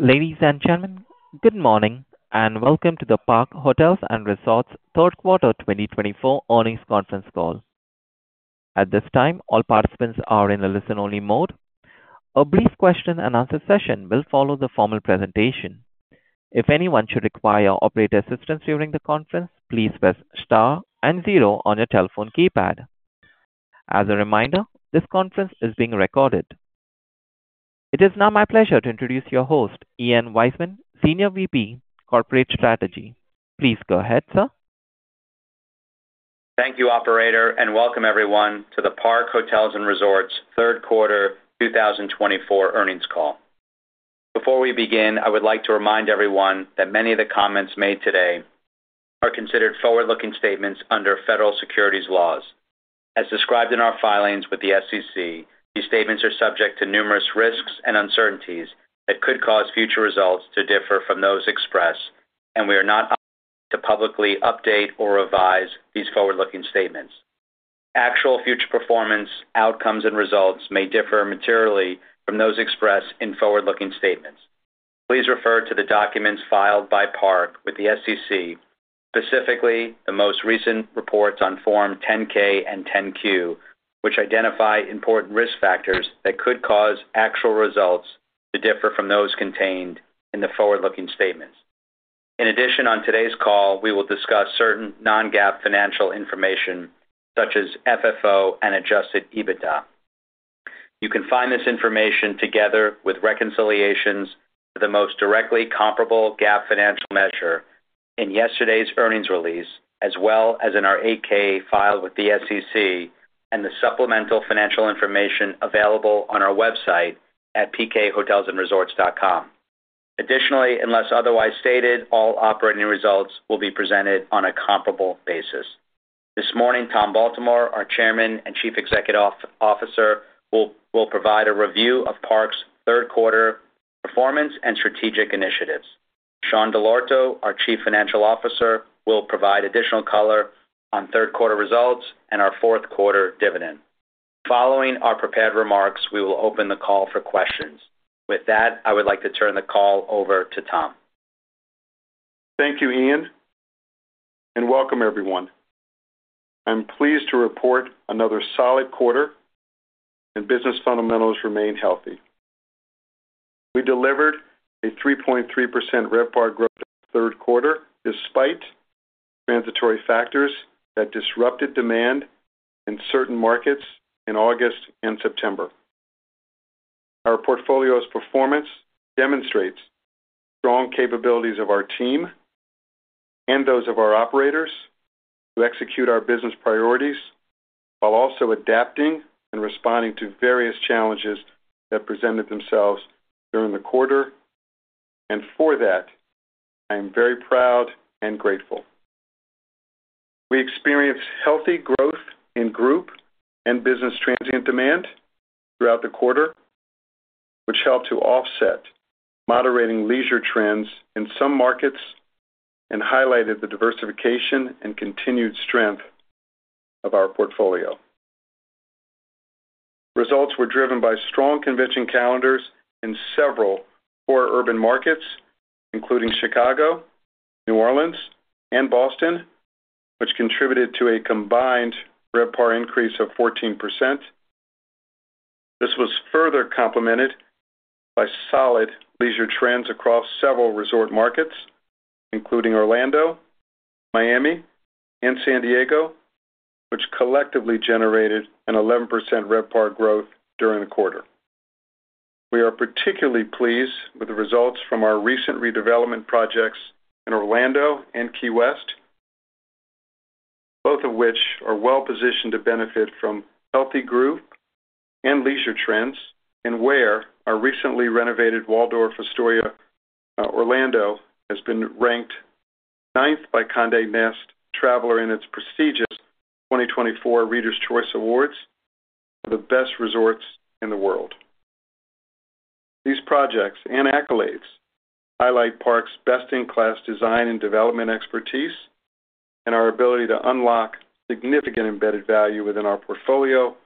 Ladies and gentlemen, good morning and welcome to the Park Hotels & Resorts third quarter 2024 earnings conference call. At this time, all participants are in a listen-only mode. A brief question-and-answer session will follow the formal presentation. If anyone should require operator assistance during the conference, please press star and zero on your telephone keypad. As a reminder, this conference is being recorded. It is now my pleasure to introduce your host, Ian Weissman, Senior VP, Corporate Strategy. Please go ahead, sir. Thank you, Operator, and welcome everyone to the Park Hotels & Resorts third quarter 2024 earnings call. Before we begin, I would like to remind everyone that many of the comments made today are considered forward-looking statements under federal securities laws. As described in our filings with the SEC, these statements are subject to numerous risks and uncertainties that could cause future results to differ from those expressed, and we are not obligated to publicly update or revise these forward-looking statements. Actual future performance outcomes and results may differ materially from those expressed in forward-looking statements. Please refer to the documents filed by Park with the SEC, specifically the most recent reports on Form 10-K and 10-Q, which identify important risk factors that could cause actual results to differ from those contained in the forward-looking statements. In addition, on today's call, we will discuss certain non-GAAP financial information such as FFO and adjusted EBITDA. You can find this information together with reconciliations to the most directly comparable GAAP financial measure in yesterday's earnings release, as well as in our 8-K filed with the SEC and the supplemental financial information available on our website at pkhotelsandresorts.com. Additionally, unless otherwise stated, all operating results will be presented on a comparable basis. This morning, Tom Baltimore, our Chairman and Chief Executive Officer, will provide a review of Park's third quarter performance and strategic initiatives. Sean Dell'Orto, our Chief Financial Officer, will provide additional color on third quarter results and our fourth quarter dividend. Following our prepared remarks, we will open the call for questions. With that, I would like to turn the call over to Tom. Thank you, Ian, and welcome everyone. I'm pleased to report another solid quarter, and business fundamentals remain healthy. We delivered a 3.3% RevPAR growth in the third quarter despite transitory factors that disrupted demand in certain markets in August and September. Our portfolio's performance demonstrates strong capabilities of our team and those of our operators to execute our business priorities while also adapting and responding to various challenges that presented themselves during the quarter, and for that, I am very proud and grateful. We experienced healthy growth in group and business transient demand throughout the quarter, which helped to offset moderating leisure trends in some markets and highlighted the diversification and continued strength of our portfolio. Results were driven by strong convention calendars in several core urban markets, including Chicago, New Orleans, and Boston, which contributed to a combined RevPAR increase of 14%. This was further complemented by solid leisure trends across several resort markets, including Orlando, Miami, and San Diego, which collectively generated an 11% RevPAR growth during the quarter. We are particularly pleased with the results from our recent redevelopment projects in Orlando and Key West, both of which are well-positioned to benefit from healthy growth and leisure trends, and where our recently renovated Waldorf Astoria Orlando has been ranked ninth by Condé Nast Traveler in its prestigious 2024 Readers' Choice Awards for the best resorts in the world. These projects and accolades highlight Park's best-in-class design and development expertise and our ability to unlock significant embedded value within our portfolio,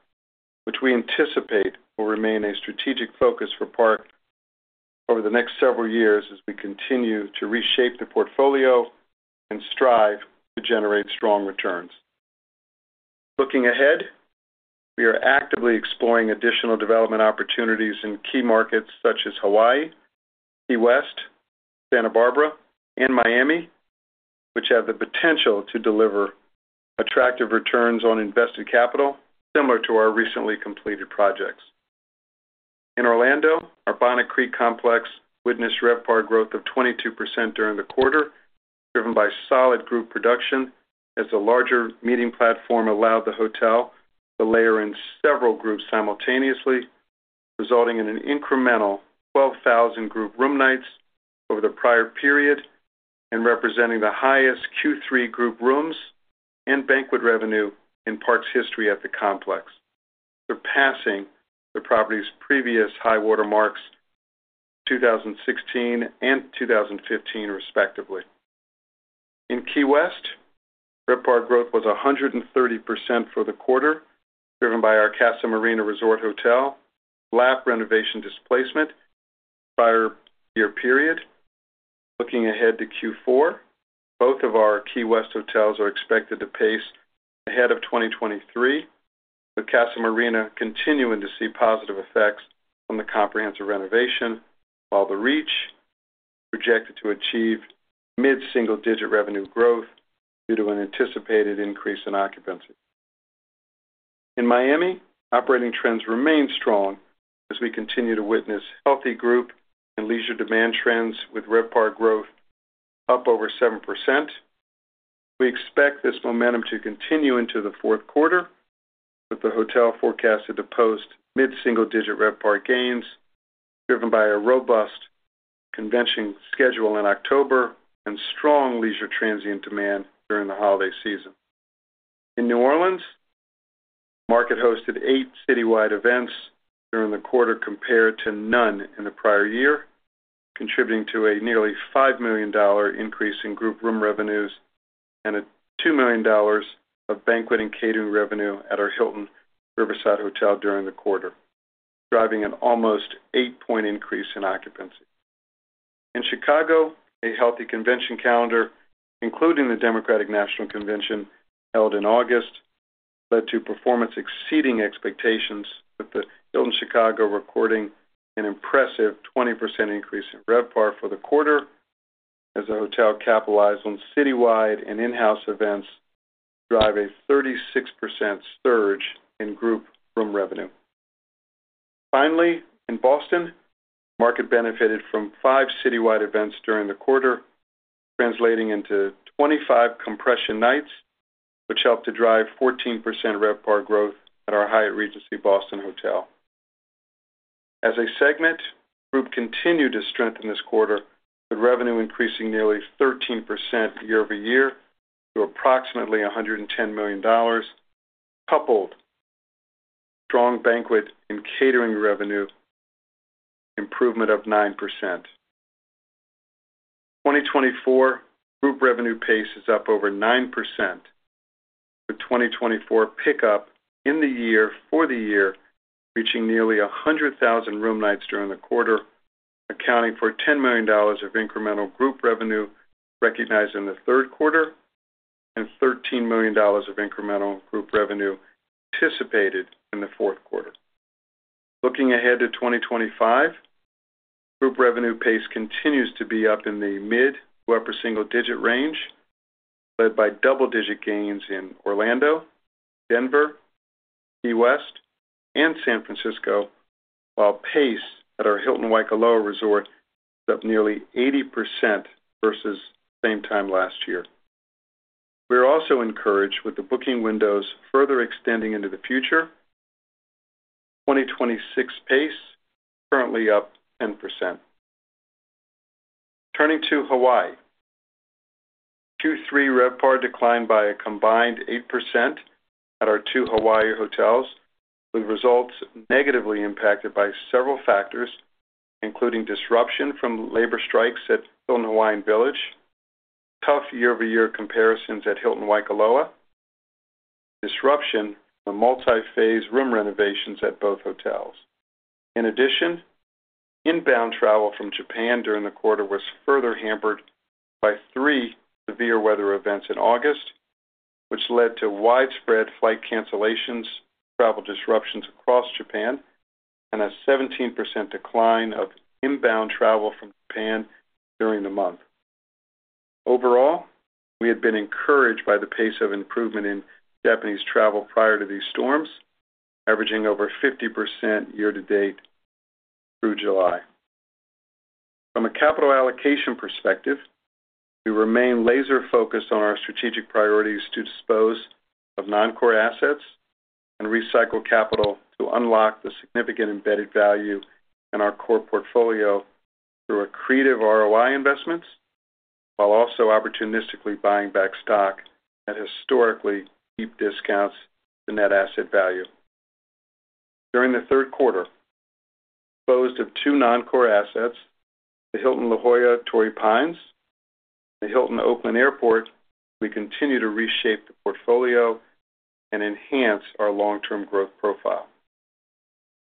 which we anticipate will remain a strategic focus for Park over the next several years as we continue to reshape the portfolio and strive to generate strong returns. Looking ahead, we are actively exploring additional development opportunities in key markets such as Hawaii, Key West, Santa Barbara, and Miami, which have the potential to deliver attractive returns on invested capital similar to our recently completed projects. In Orlando, our Bonnet Creek complex witnessed RevPAR growth of 22% during the quarter, driven by solid group production as the larger meeting platform allowed the hotel to layer in several groups simultaneously, resulting in an incremental 12,000 group room nights over the prior period and representing the highest Q3 group rooms and banquet revenue in Park's history at the complex, surpassing the property's previous high watermarks in 2016 and 2015, respectively. In Key West, RevPAR growth was 130% for the quarter, driven by our Casa Marina Resort hotel lobby renovation displacement prior to the year period. Looking ahead to Q4, both of our Key West hotels are expected to pace ahead of 2023, with Casa Marina continuing to see positive effects from the comprehensive renovation, while The Reach is projected to achieve mid-single-digit revenue growth due to an anticipated increase in occupancy. In Miami, operating trends remain strong as we continue to witness healthy group and leisure demand trends with RevPAR growth up over 7%. We expect this momentum to continue into the fourth quarter, with the hotel forecasted to post mid-single-digit RevPAR gains, driven by a robust convention schedule in October and strong leisure transient demand during the holiday season. In New Orleans, the market hosted eight citywide events during the quarter compared to none in the prior year, contributing to a nearly $5 million increase in group room revenues and $2 million of banquet and catering revenue at our Hilton New Orleans Riverside during the quarter, driving an almost eight-point increase in occupancy. In Chicago, a healthy convention calendar, including the Democratic National Convention held in August, led to performance exceeding expectations, with the Hilton Chicago recording an impressive 20% increase in RevPAR for the quarter as the hotel capitalized on citywide and in-house events, driving a 36% surge in group room revenue. Finally, in Boston, the market benefited from five citywide events during the quarter, translating into 25 compression nights, which helped to drive 14% RevPAR growth at our Hyatt Regency Boston. As a segment, the group continued to strengthen this quarter, with revenue increasing nearly 13% year-over-year to approximately $110 million, coupled with strong banquet and catering revenue improvement of 9%. 2024 group revenue pace is up over 9%, with 2024 pickup in the year for the year, reaching nearly 100,000 room nights during the quarter, accounting for $10 million of incremental group revenue recognized in the third quarter and $13 million of incremental group revenue anticipated in the fourth quarter. Looking ahead to 2025, group revenue pace continues to be up in the mid to upper single-digit range, led by double-digit gains in Orlando, Denver, Key West, and San Francisco, while pace at our Hilton Waikoloa Resort is up nearly 80% versus same time last year. We are also encouraged with the booking windows further extending into the future. 2026 pace is currently up 10%. Turning to Hawaii, Q3 RevPAR declined by a combined 8% at our two Hawaii hotels, with results negatively impacted by several factors, including disruption from labor strikes at Hilton Hawaiian Village, tough year-over-year comparisons at Hilton Waikoloa Village, and disruption from multi-phase room renovations at both hotels. In addition, inbound travel from Japan during the quarter was further hampered by three severe weather events in August, which led to widespread flight cancellations and travel disruptions across Japan, and a 17% decline of inbound travel from Japan during the month. Overall, we had been encouraged by the pace of improvement in Japanese travel prior to these storms, averaging over 50% year-to-date through July. From a capital allocation perspective, we remain laser-focused on our strategic priorities to dispose of non-core assets and recycle capital to unlock the significant embedded value in our core portfolio through accretive ROI investments, while also opportunistically buying back stock at historically deep discounts to net asset value. During the third quarter, disposed of two non-core assets, the Hilton La Jolla Torrey Pines, and the Hilton Oakland Airport, we continue to reshape the portfolio and enhance our long-term growth profile.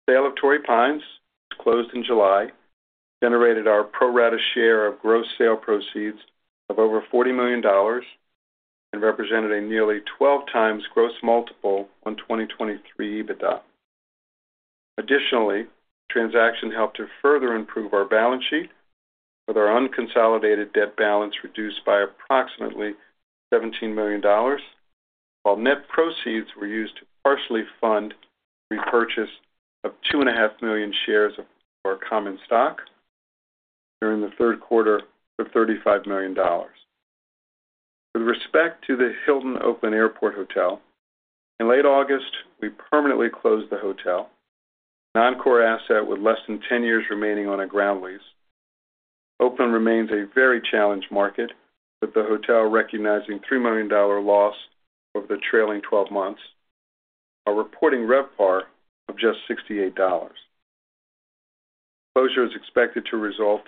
Sale of Torrey Pines, which closed in July, generated our pro rata share of gross sale proceeds of over $40 million and represented a nearly 12 times gross multiple on 2023 EBITDA. Additionally, the transaction helped to further improve our balance sheet, with our unconsolidated debt balance reduced by approximately $17 million, while net proceeds were used to partially fund the repurchase of 2.5 million shares of our common stock during the third quarter for $35 million. With respect to the Hilton Oakland Airport Hotel, in late August, we permanently closed the hotel, a non-core asset with less than 10 years remaining on a ground lease. Oakland remains a very challenged market, with the hotel recognizing $3 million loss over the trailing 12 months, while reporting RevPAR of just $68. Closure is expected to result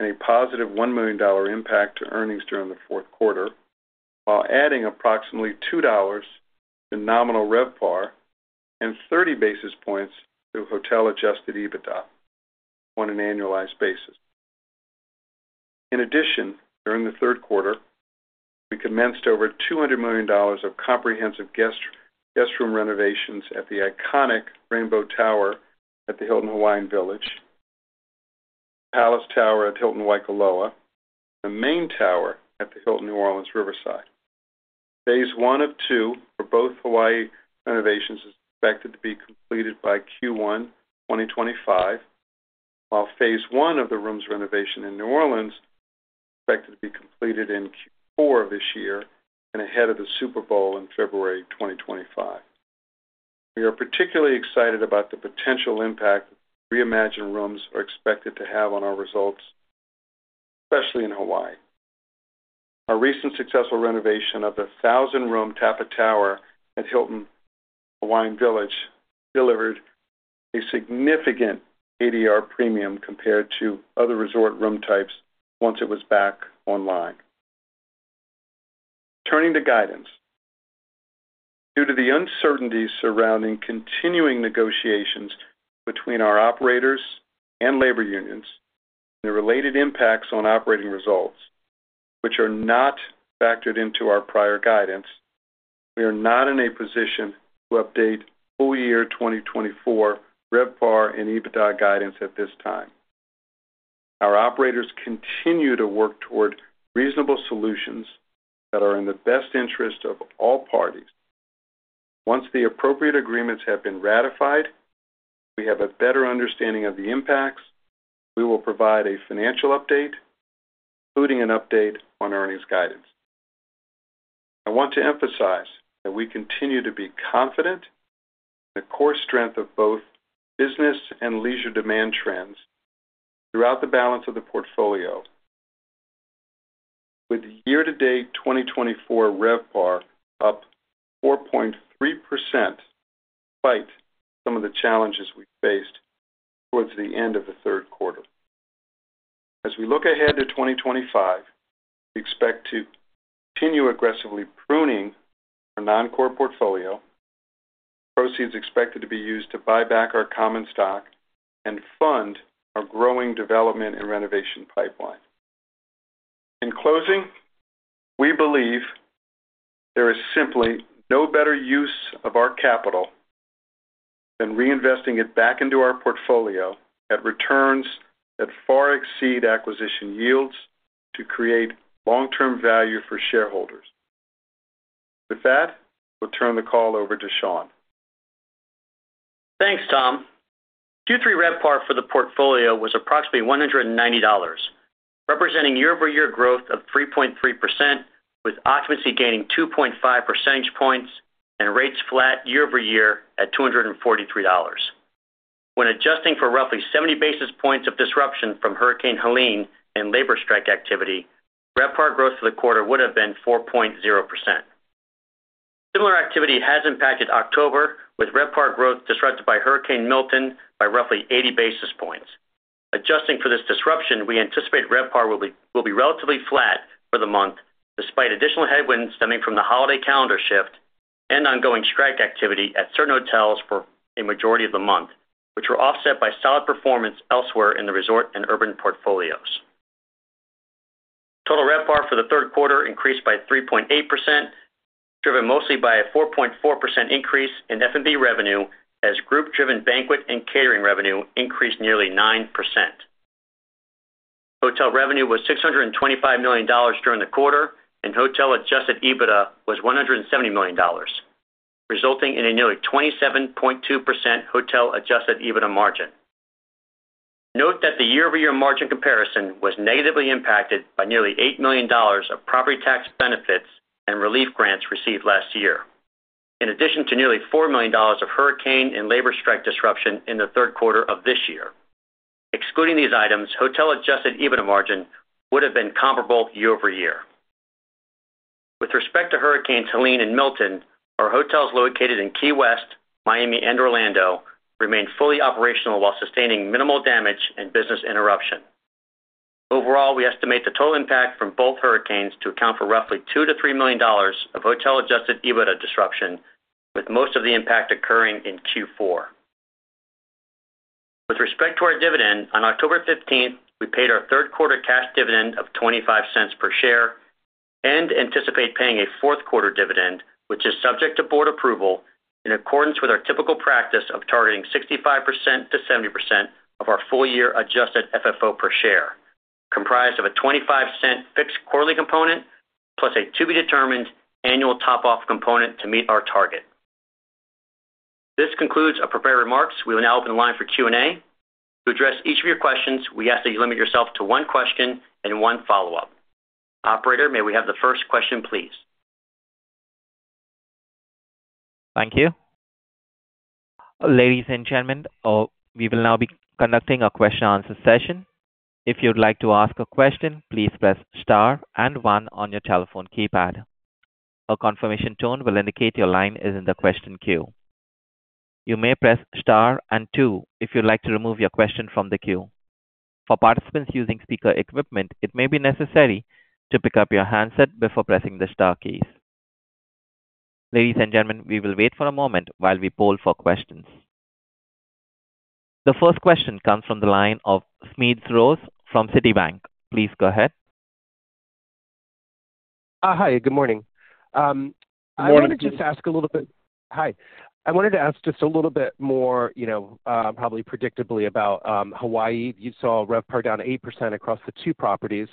in a positive $1 million impact to earnings during the fourth quarter, while adding approximately $2 to nominal RevPAR and 30 basis points to hotel-adjusted EBITDA on an annualized basis. In addition, during the third quarter, we commenced over $200 million of comprehensive guest room renovations at the iconic Rainbow Tower at the Hilton Hawaiian Village, the Palace Tower at Hilton Waikoloa, and the Main Tower at the Hilton New Orleans Riverside. Phase one of two for both Hawaii renovations is expected to be completed by Q1 2025, while phase one of the rooms renovation in New Orleans is expected to be completed in Q4 of this year and ahead of the Super Bowl in February 2025. We are particularly excited about the potential impact reimagined rooms are expected to have on our results, especially in Hawaii. Our recent successful renovation of the 1,000-room Tapa Tower at Hilton Hawaiian Village delivered a significant ADR premium compared to other resort room types once it was back online. Turning to guidance, due to the uncertainty surrounding continuing negotiations between our operators and labor unions and the related impacts on operating results, which are not factored into our prior guidance, we are not in a position to update full-year 2024 RevPAR and EBITDA guidance at this time. Our operators continue to work toward reasonable solutions that are in the best interest of all parties. Once the appropriate agreements have been ratified, we have a better understanding of the impacts. We will provide a financial update, including an update on earnings guidance. I want to emphasize that we continue to be confident in the core strength of both business and leisure demand trends throughout the balance of the portfolio, with year-to-date 2024 RevPAR up 4.3% despite some of the challenges we faced towards the end of the third quarter. As we look ahead to 2025, we expect to continue aggressively pruning our non-core portfolio, with proceeds expected to be used to buy back our common stock and fund our growing development and renovation pipeline. In closing, we believe there is simply no better use of our capital than reinvesting it back into our portfolio at returns that far exceed acquisition yields to create long-term value for shareholders. With that, we'll turn the call over to Sean. Thanks, Tom. Q3 RevPAR for the portfolio was approximately $190, representing year-over-year growth of 3.3%, with occupancy gaining 2.5 percentage points and rates flat year-over-year at $243. When adjusting for roughly 70 basis points of disruption from Hurricane Helene and labor strike activity, RevPAR growth for the quarter would have been 4.0%. Similar activity has impacted October, with RevPAR growth disrupted by Hurricane Milton by roughly 80 basis points. Adjusting for this disruption, we anticipate RevPAR will be relatively flat for the month, despite additional headwinds stemming from the holiday calendar shift and ongoing strike activity at certain hotels for a majority of the month, which were offset by solid performance elsewhere in the resort and urban portfolios. Total RevPAR for the third quarter increased by 3.8%, driven mostly by a 4.4% increase in F&B revenue as group-driven banquet and catering revenue increased nearly 9%. Hotel revenue was $625 million during the quarter, and hotel-adjusted EBITDA was $170 million, resulting in a nearly 27.2% hotel-adjusted EBITDA margin. Note that the year-over-year margin comparison was negatively impacted by nearly $8 million of property tax benefits and relief grants received last year, in addition to nearly $4 million of hurricane and labor strike disruption in the third quarter of this year. Excluding these items, hotel-adjusted EBITDA margin would have been comparable year-over-year. With respect to Hurricanes Helene and Milton, our hotels located in Key West, Miami, and Orlando remained fully operational while sustaining minimal damage and business interruption. Overall, we estimate the total impact from both hurricanes to account for roughly $2-$3 million of hotel-adjusted EBITDA disruption, with most of the impact occurring in Q4. With respect to our dividend, on October 15th, we paid our third-quarter cash dividend of $0.25 per share and anticipate paying a fourth-quarter dividend, which is subject to board approval in accordance with our typical practice of targeting 65%-70% of our full-year adjusted FFO per share, comprised of a $0.25 fixed quarterly component plus a to-be-determined annual top-off component to meet our target. This concludes our prepared remarks. We will now open the line for Q&A. To address each of your questions, we ask that you limit yourself to one question and one follow-up. Operator, may we have the first question, please? Thank you. Ladies and gentlemen, we will now be conducting a question-and-answer session. If you'd like to ask a question, please press Star and 1 on your telephone keypad. A confirmation tone will indicate your line is in the question queue. You may press Star and 2 if you'd like to remove your question from the queue. For participants using speaker equipment, it may be necessary to pick up your handset before pressing the star keys. Ladies and gentlemen, we will wait for a moment while we poll for questions. The first question comes from the line of Smedes Rose from Citibank. Please go ahead. Hi, good morning. Good morning. I wanted to just ask a little bit hi. I wanted to ask just a little bit more, probably predictably, about Hawaii. You saw RevPAR down 8% across the two properties.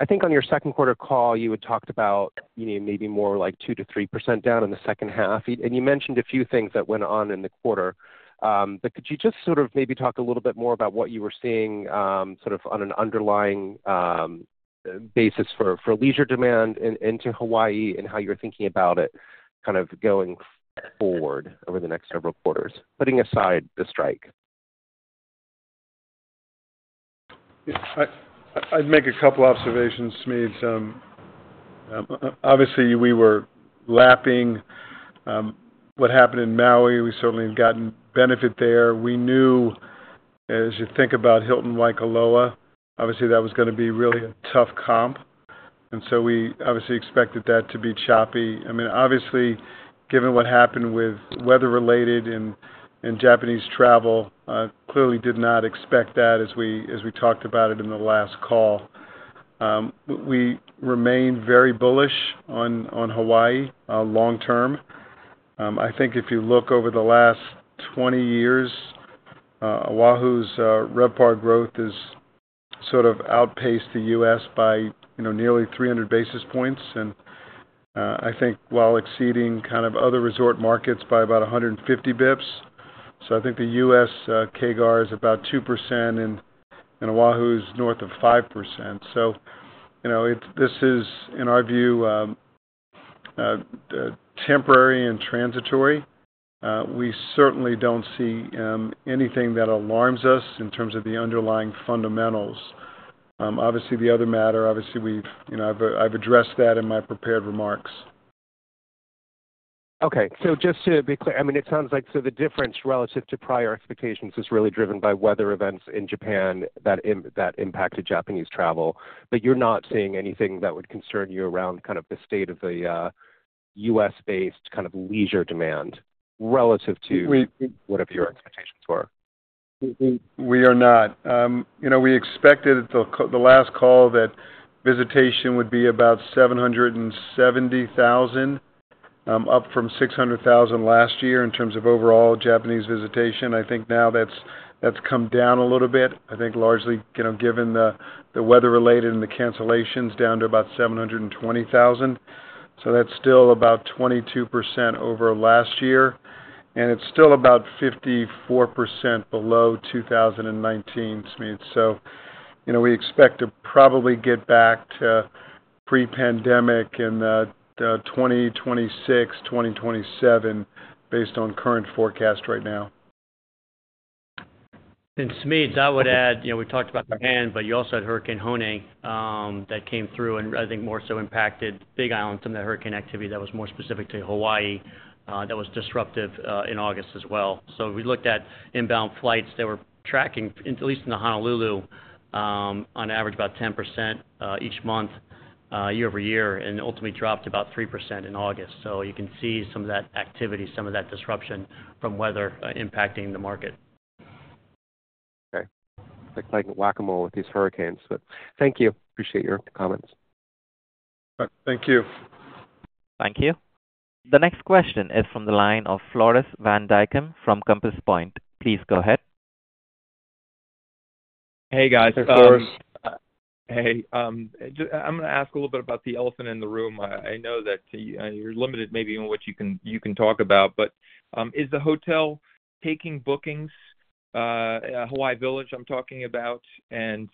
I think on your second-quarter call, you had talked about maybe more like 2%-3% down in the second half. And you mentioned a few things that went on in the quarter. But could you just sort of maybe talk a little bit more about what you were seeing sort of on an underlying basis for leisure demand into Hawaii and how you're thinking about it kind of going forward over the next several quarters, putting aside the strike? I'd make a couple of observations, Smedes. Obviously, we were lapping what happened in Maui. We certainly had gotten benefit there. We knew, as you think about Hilton Waikoloa, obviously, that was going to be really a tough comp. We obviously expected that to be choppy. I mean, obviously, given what happened with weather-related and Japanese travel, clearly did not expect that as we talked about it in the last call. We remain very bullish on Hawaii long-term. I think if you look over the last 20 years, Oahu's RevPAR growth has sort of outpaced the U.S. by nearly 300 basis points. I think while exceeding kind of other resort markets by about 150 basis points, so I think the U.S. CAGR is about 2% and Oahu's north of 5%. This is, in our view, temporary and transitory. We certainly don't see anything that alarms us in terms of the underlying fundamentals. Obviously, the other matter, obviously, I've addressed that in my prepared remarks. Okay. So just to be clear, I mean, it sounds like so the difference relative to prior expectations is really driven by weather events in Japan that impacted Japanese travel. But you're not seeing anything that would concern you around kind of the state of the US-based kind of leisure demand relative to whatever your expectations were? We are not. We expected at the last call that visitation would be about 770,000, up from 600,000 last year in terms of overall Japanese visitation. I think now that's come down a little bit, I think largely given the weather-related and the cancellations down to about 720,000. So that's still about 22% over last year. And it's still about 54% below 2019, Smedes. So we expect to probably get back to pre-pandemic in 2026, 2027, based on current forecast right now. Smedes, I would add, we talked about Japan, but you also had Hurricane Hone. That came through and I think more so impacted Big Island, some of that hurricane activity that was more specific to Hawaii that was disruptive in August as well. So we looked at inbound flights that were tracking, at least in the Honolulu, on average about 10% each month year-over-year and ultimately dropped about 3% in August. So you can see some of that activity, some of that disruption from weather impacting the market. Okay. Looks like Whac-A-Mole with these hurricanes. But thank you. Appreciate your comments. Thank you. Thank you. The next question is from the line of Floris Van Dijkum from Compass Point. Please go ahead. Hey, guys. Hey. I'm going to ask a little bit about the elephant in the room. I know that you're limited maybe in what you can talk about. But is the hotel taking bookings? Hilton Hawaiian Village, I'm talking about. And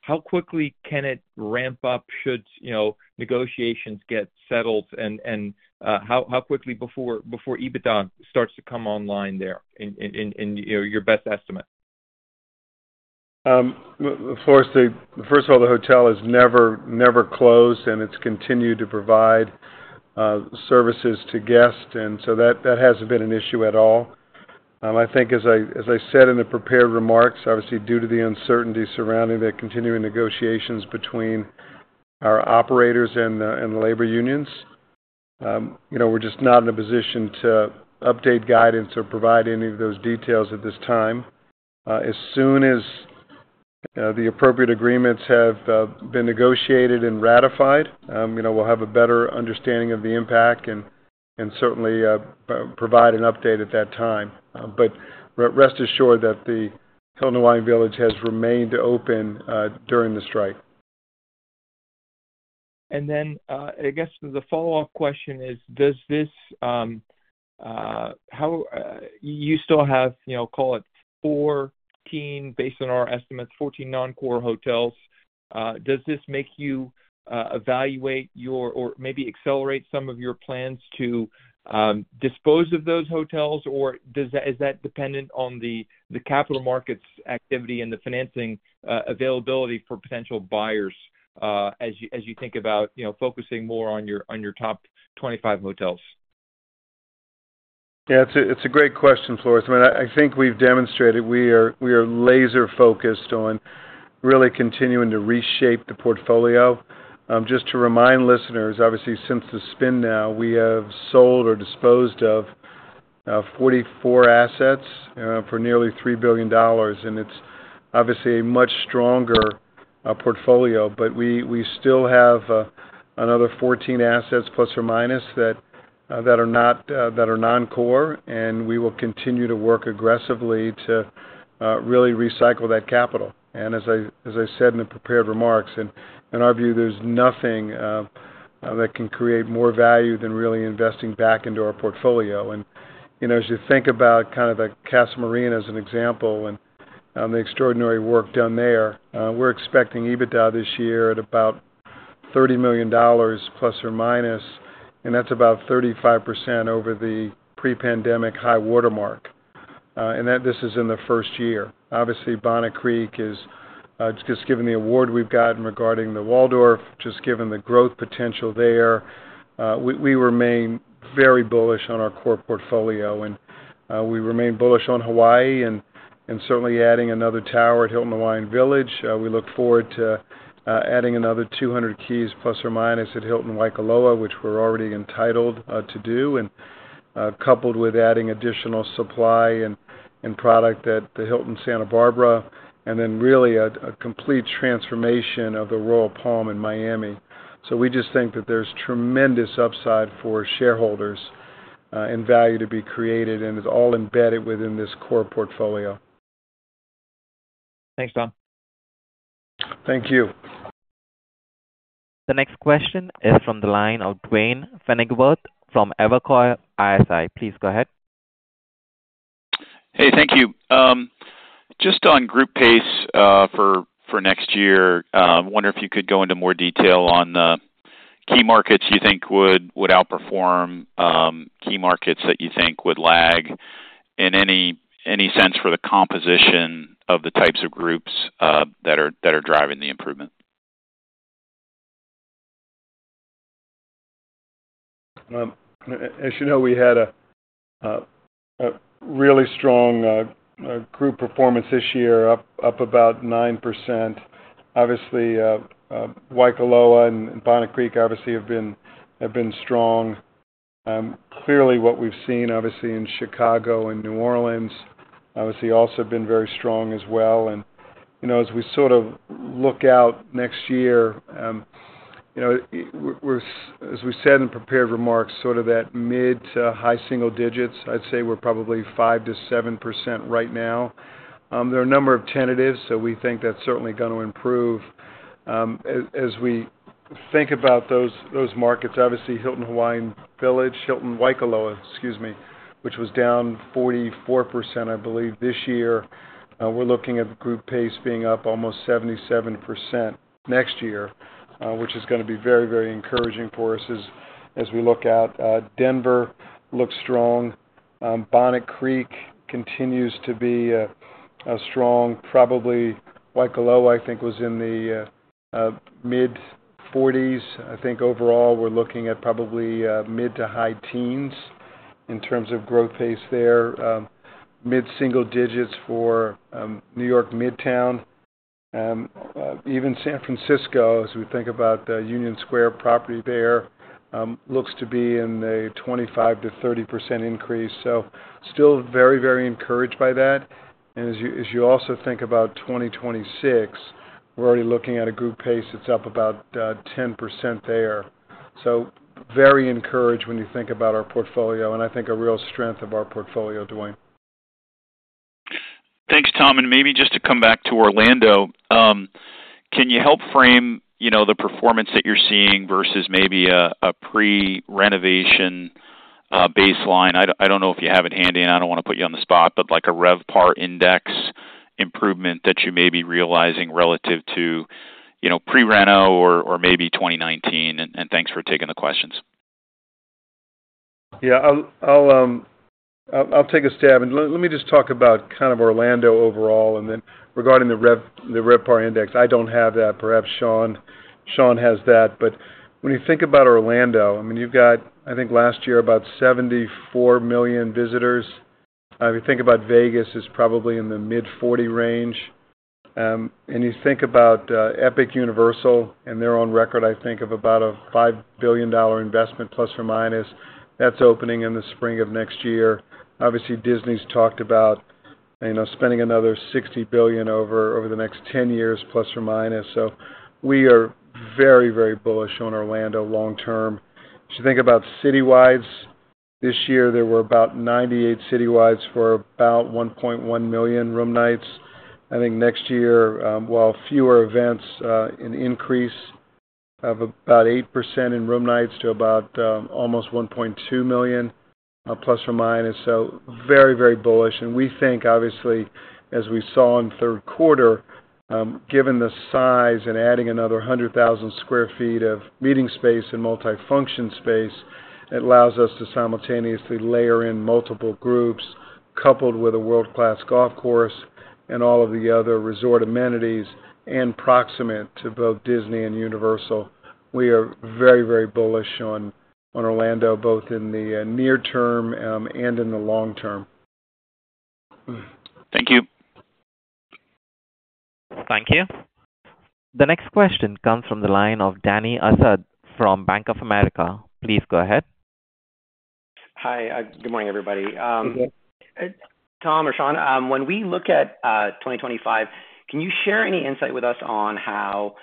how quickly can it ramp up should negotiations get settled? And how quickly before EBITDA starts to come online there in your best estimate? First of all, the hotel has never closed, and it's continued to provide services to guests. And so that hasn't been an issue at all. I think, as I said in the prepared remarks, obviously, due to the uncertainty surrounding the continuing negotiations between our operators and the labor unions, we're just not in a position to update guidance or provide any of those details at this time. As soon as the appropriate agreements have been negotiated and ratified, we'll have a better understanding of the impact and certainly provide an update at that time. But rest assured that the Hilton Hawaiian Village has remained open during the strike. And then I guess the follow-up question is, does this you still have, call it 14, based on our estimates, 14 non-core hotels. Does this make you evaluate your or maybe accelerate some of your plans to dispose of those hotels? Or is that dependent on the capital markets activity and the financing availability for potential buyers as you think about focusing more on your top 25 hotels? Yeah. It's a great question, Floris. I mean, I think we've demonstrated we are laser-focused on really continuing to reshape the portfolio. Just to remind listeners, obviously, since the spin now, we have sold or disposed of 44 assets for nearly $3 billion. And it's obviously a much stronger portfolio. But we still have another 14 assets plus or minus that are non-core. We will continue to work aggressively to really recycle that capital. As I said in the prepared remarks, in our view, there's nothing that can create more value than really investing back into our portfolio. As you think about kind of the Casa Marina as an example and the extraordinary work done there, we're expecting EBITDA this year at about $30 million plus or minus. That's about 35% over the pre-pandemic high watermark. This is in the first year. Obviously, Bonnet Creek is just given the award we've gotten regarding the Waldorf, just given the growth potential there, we remain very bullish on our core portfolio. We remain bullish on Hawaii and certainly adding another tower at Hilton Hawaiian Village. We look forward to adding another 200 keys plus or minus at Hilton Waikoloa, which we're already entitled to do, and coupled with adding additional supply and product at the Hilton Santa Barbara, and then really a complete transformation of the Royal Palm in Miami. So we just think that there's tremendous upside for shareholders and value to be created. And it's all embedded within this core portfolio. Thanks, Tom. Thank you. The next question is from the line of Duane Pfennigwerth from Evercore ISI. Please go ahead. Hey. Thank you. Just on group pace for next year, I wonder if you could go into more detail on key markets you think would outperform, key markets that you think would lag, and any sense for the composition of the types of groups that are driving the improvement. As you know, we had a really strong group performance this year, up about 9%. Obviously, Waikoloa and Bonnet Creek obviously have been strong. Clearly, what we've seen obviously in Chicago and New Orleans obviously also been very strong as well. And as we sort of look out next year, as we said in prepared remarks, sort of that mid to high single digits, I'd say we're probably 5% to 7% right now. There are a number of tentatives, so we think that's certainly going to improve. As we think about those markets, obviously Hilton Hawaiian Village, Hilton Waikoloa Village, excuse me, which was down 44%, I believe, this year. We're looking at group pace being up almost 77% next year, which is going to be very, very encouraging for us as we look out. Denver looks strong. Bonnet Creek continues to be strong. Probably Waikoloa, I think, was in the mid-40s. I think overall we're looking at probably mid- to high-teens in terms of growth pace there. Mid-single digits for New York Midtown. Even San Francisco, as we think about the Union Square property there, looks to be in the 25%-30% increase. So still very, very encouraged by that. And as you also think about 2026, we're already looking at a group pace that's up about 10% there. So very encouraged when you think about our portfolio. And I think a real strength of our portfolio, Duane. Thanks, Tom. And maybe just to come back to Orlando, can you help frame the performance that you're seeing versus maybe a pre-renovation baseline? I don't know if you have it handy, and I don't want to put you on the spot, but like a RevPAR index improvement that you may be realizing relative to pre-Reno or maybe 2019. And thanks for taking the questions. Yeah. I'll take a stab. Let me just talk about kind of Orlando overall. Then regarding the RevPAR index, I don't have that. Perhaps Sean has that. But when you think about Orlando, I mean, you've got, I think, last year about 74 million visitors. If you think about Vegas, it's probably in the mid-40 range. And you think about Universal Epic Universe and their own record, I think, of about a $5 billion investment plus or minus. That's opening in the spring of next year. Obviously, Disney's talked about spending another $60 billion over the next 10 years plus or minus. So we are very, very bullish on Orlando long-term. As you think about citywides this year, there were about 98 citywides for about 1.1 million room nights. I think next year, while fewer events, an increase of about 8% in room nights to about almost 1.2 million plus or minus. So very, very bullish. And we think, obviously, as we saw in third quarter, given the size and adding another 100,000 sq ft of meeting space and multifunction space, it allows us to simultaneously layer in multiple groups coupled with a world-class golf course and all of the other resort amenities and proximate to both Disney and Universal. We are very, very bullish on Orlando, both in the near term and in the long term. Thank you. Thank you. The next question comes from the line of Dany Asad from Bank of America. Please go ahead. Hi. Good morning, everybody. Tom or Sean, when we look at 2025, can you share any insight with us on how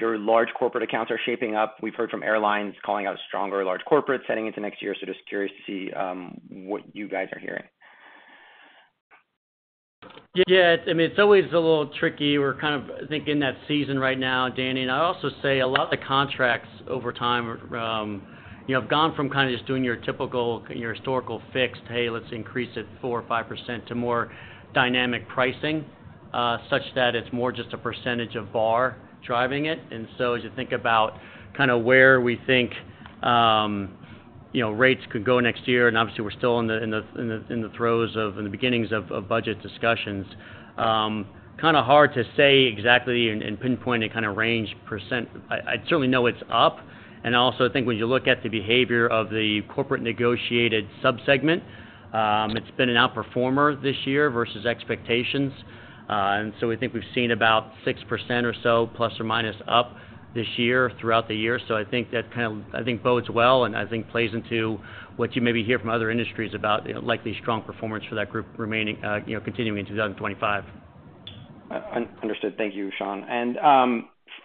your large corporate accounts are shaping up? We've heard from airlines calling out stronger large corporates heading into next year. So just curious to see what you guys are hearing. Yeah. I mean, it's always a little tricky. We're kind of thinking that season right now, Danny. And I'll also say a lot of the contracts over time have gone from kind of just doing your typical, your historical fixed, "Hey, let's increase it 4% or 5%," to more dynamic pricing such that it's more just a percentage of RevPAR driving it. And so as you think about kind of where we think rates could go next year, and obviously, we're still in the throes of, in the beginnings of budget discussions, kind of hard to say exactly and pinpoint a kind of range percent. I certainly know it's up. And I also think when you look at the behavior of the corporate negotiated subsegment, it's been an outperformer this year versus expectations. And so we think we've seen about 6% or so plus or minus up this year throughout the year. So I think that kind of, I think, bodes well. And I think plays into what you maybe hear from other industries about likely strong performance for that group continuing in 2025. Understood. Thank you, Sean. And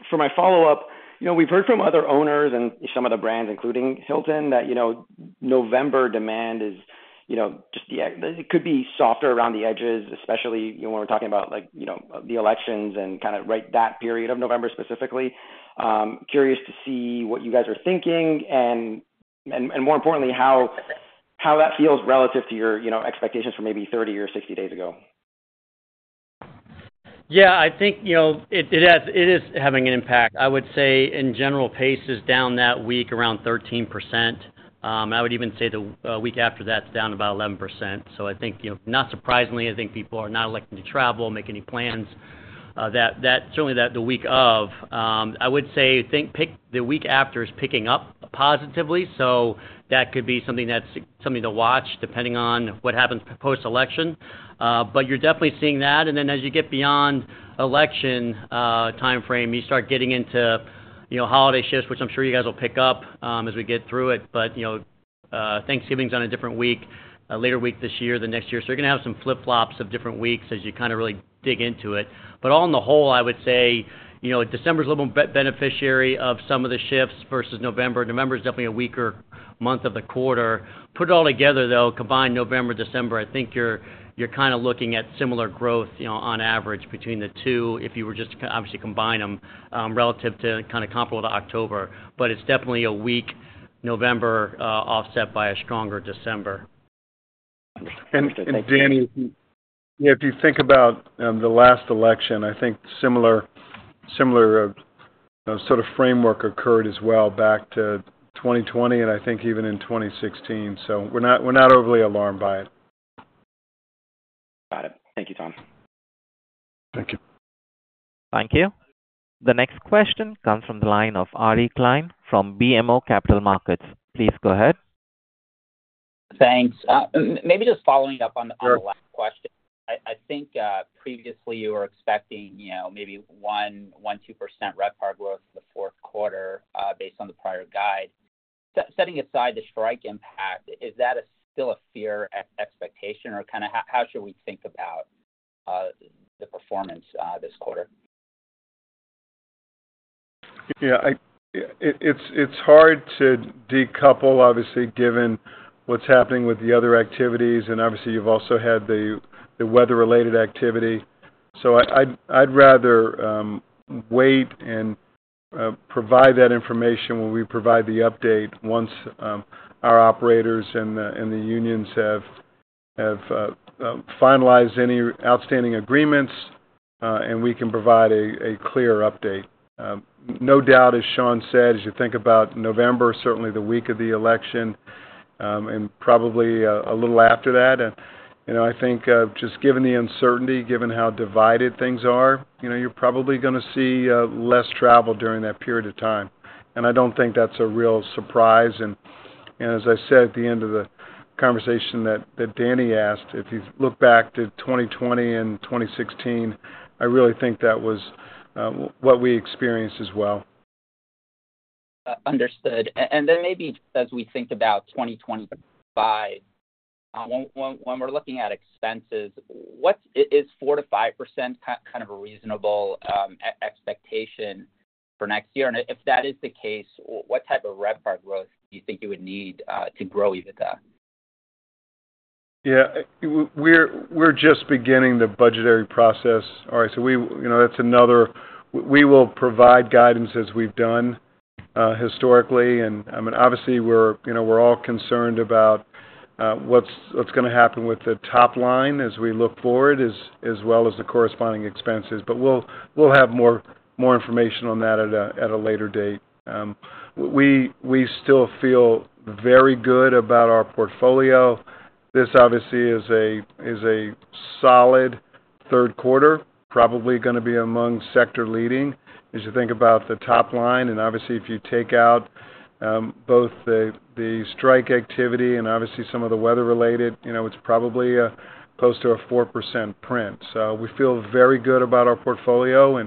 for my follow-up, we've heard from other owners and some of the brands, including Hilton, that November demand is just, it could be softer around the edges, especially when we're talking about the elections and kind of right that period of November specifically. Curious to see what you guys are thinking and, more importantly, how that feels relative to your expectations from maybe 30 or 60 days ago. Yeah. I think it is having an impact. I would say, in general, pace is down that week around 13%. I would even say the week after that's down about 11%. So I think, not surprisingly, I think people are not electing to travel, make any plans. Certainly, the week of, I would say, I think the week after is picking up positively. So that could be something to watch depending on what happens post-election. But you're definitely seeing that. And then as you get beyond election timeframe, you start getting into holiday shifts, which I'm sure you guys will pick up as we get through it. But Thanksgiving's on a different week, a later week this year, the next year. So you're going to have some flip-flops of different weeks as you kind of really dig into it. But all in all, I would say December's a little bit beneficial of some of the shifts versus November. November's definitely a weaker month of the quarter. Put it all together, though, combine November, December, I think you're kind of looking at similar growth on average between the two if you were just to obviously combine them relative to kind of comparable to October. But it's definitely a weak November offset by a stronger December. Thanks. Thanks. Yeah. If you think about the last election, I think similar sort of framework occurred as well back to 2020 and I think even in 2016. So we're not overly alarmed by it. Got it. Thank you, Tom. Thank you. Thank you. The next question comes from the line of Ari Klein from BMO Capital Markets. Please go ahead. Thanks. Maybe just following up on the last question. I think previously you were expecting maybe 1%-2% RevPAR growth in the fourth quarter based on the prior guide. Setting aside the strike impact, is that still a fair expectation? Or kind of how should we think about the performance this quarter? Yeah. It's hard to decouple, obviously, given what's happening with the other activities. And obviously, you've also had the weather-related activity. I'd rather wait and provide that information when we provide the update once our operators and the unions have finalized any outstanding agreements, and we can provide a clear update. No doubt, as Sean said, as you think about November, certainly the week of the election and probably a little after that, I think just given the uncertainty, given how divided things are, you're probably going to see less travel during that period of time. I don't think that's a real surprise. As I said at the end of the conversation that Dany asked, if you look back to 2020 and 2016, I really think that was what we experienced as well. Understood. Then maybe as we think about 2025, when we're looking at expenses, is 4%-5% kind of a reasonable expectation for next year? And if that is the case, what type of RevPAR growth do you think you would need to grow EBITDA? Yeah. We're just beginning the budgetary process. All right. So that's another we will provide guidance as we've done historically. And I mean, obviously, we're all concerned about what's going to happen with the top line as we look forward as well as the corresponding expenses. But we'll have more information on that at a later date. We still feel very good about our portfolio. This, obviously, is a solid third quarter, probably going to be among sector leading as you think about the top line. And obviously, if you take out both the strike activity and obviously some of the weather-related, it's probably close to a 4% print. So we feel very good about our portfolio.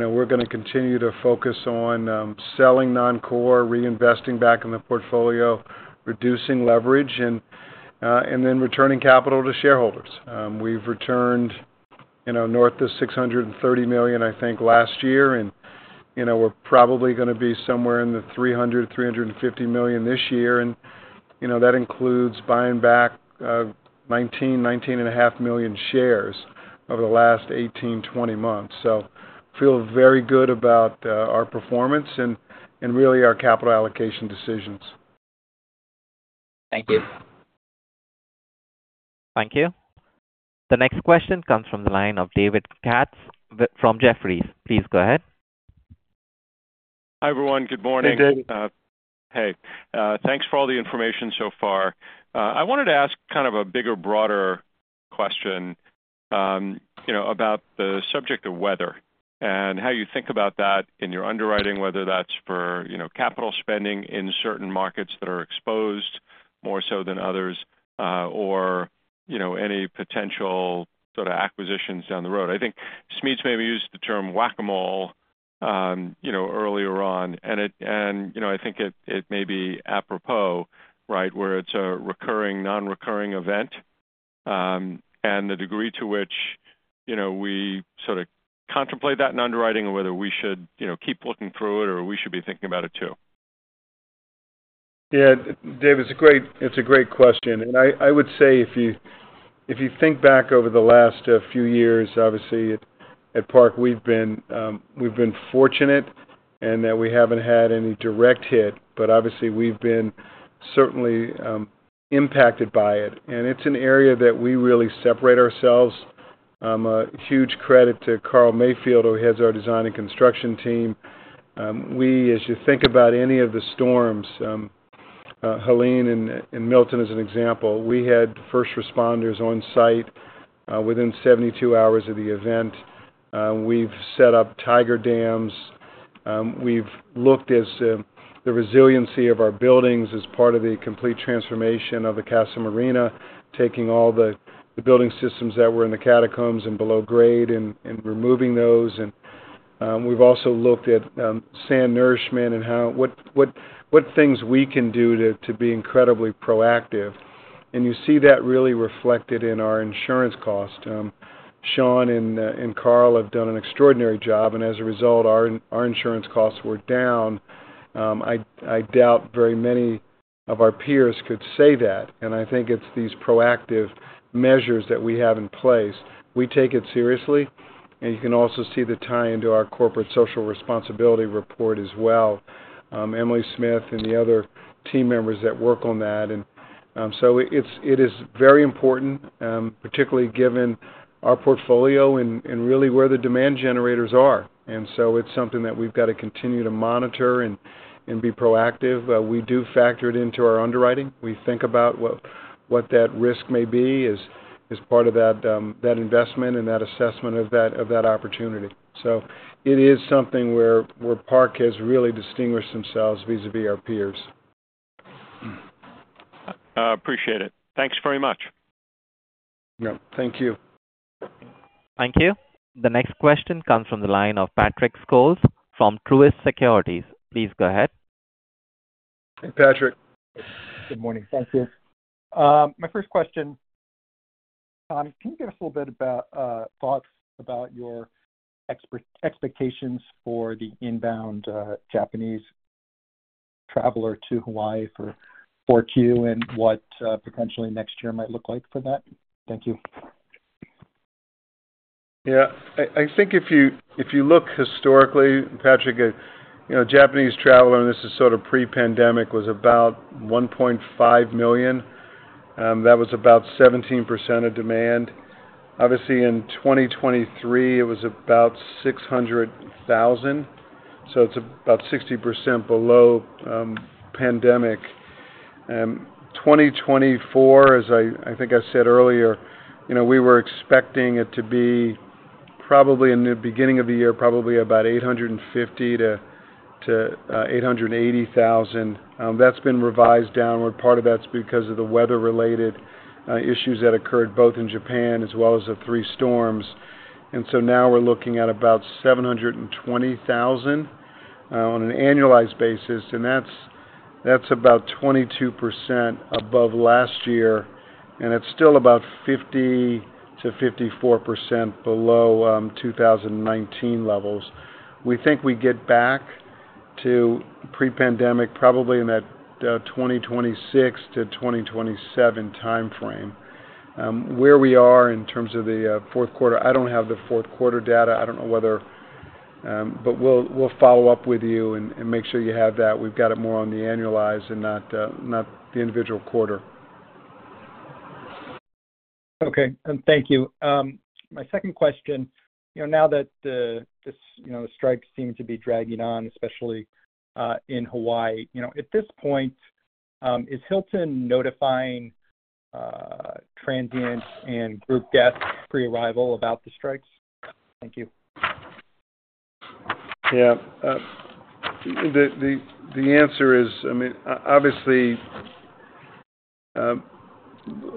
We're going to continue to focus on selling non-core, reinvesting back in the portfolio, reducing leverage, and then returning capital to shareholders. We've returned north of $630 million, I think, last year. And we're probably going to be somewhere in the $300-$350 million this year. And that includes buying back 19, 19.5 million shares over the last 18-20 months. So feel very good about our performance and really our capital allocation decisions. Thank you. Thank you. The next question comes from the line of David Katz from Jefferies. Please go ahead. Hi, everyone. Good morning. Hey. Thanks for all the information so far. I wanted to ask kind of a bigger, broader question about the subject of weather and how you think about that in your underwriting, whether that's for capital spending in certain markets that are exposed more so than others or any potential sort of acquisitions down the road. I think Smedes may have used the term Whac-A-Mole earlier on. And I think it may be apropos, right, where it's a recurring, non-recurring event and the degree to which we sort of contemplate that in underwriting and whether we should keep looking through it or we should be thinking about it too. Yeah. David, it's a great question. And I would say if you think back over the last few years, obviously, at Park, we've been fortunate in that we haven't had any direct hit. But obviously, we've been certainly impacted by it. It's an area that we really separate ourselves. Huge credit to Carl Mayfield, who heads our design and construction team. We, as you think about any of the storms, Helene and Milton as an example, we had first responders on site within 72 hours of the event. We've set up Tiger Dams. We've looked at the resiliency of our buildings as part of the complete transformation of the Casa Marina, taking all the building systems that were in the catacombs and below grade and removing those. And we've also looked at sand nourishment and what things we can do to be incredibly proactive. And you see that really reflected in our insurance cost. Sean and Carl have done an extraordinary job. And as a result, our insurance costs were down. I doubt very many of our peers could say that. I think it's these proactive measures that we have in place. We take it seriously. You can also see the tie into our corporate social responsibility report as well. Emily Smith and the other team members that work on that. It is very important, particularly given our portfolio and really where the demand generators are. It's something that we've got to continue to monitor and be proactive. We do factor it into our underwriting. We think about what that risk may be as part of that investment and that assessment of that opportunity. It is something where Park has really distinguished themselves vis-à-vis our peers. I appreciate it. Thanks very much. Yeah. Thank you. Thank you. The next question comes from the line of Patrick Scholes from Truist Securities. Please go ahead. Hey, Patrick. Good morning. Thank you. My first question, Tom, can you give us a little bit about thoughts about your expectations for the inbound Japanese traveler to Hawaii for Q and what potentially next year might look like for that? Thank you. Yeah. I think if you look historically, Patrick, Japanese traveler, and this is sort of pre-pandemic, was about 1.5 million. That was about 17% of demand. Obviously, in 2023, it was about 600,000. So it's about 60% below pandemic. 2024, as I think I said earlier, we were expecting it to be probably in the beginning of the year, probably about 850,000-880,000. That's been revised downward. Part of that's because of the weather-related issues that occurred both in Japan as well as the three storms. And so now we're looking at about 720,000 on an annualized basis. And that's about 22% above last year. It's still about 50%-54% below 2019 levels. We think we get back to pre-pandemic probably in that 2026-2027 timeframe. Where we are in terms of the fourth quarter, I don't have the fourth quarter data. I don't know whether, but we'll follow up with you and make sure you have that. We've got it more on the annualized and not the individual quarter. Okay. Thank you. My second question, now that the strikes seem to be dragging on, especially in Hawaii, at this point, is Hilton notifying transients and group guests pre-arrival about the strikes? Thank you. Yeah. The answer is, I mean, obviously,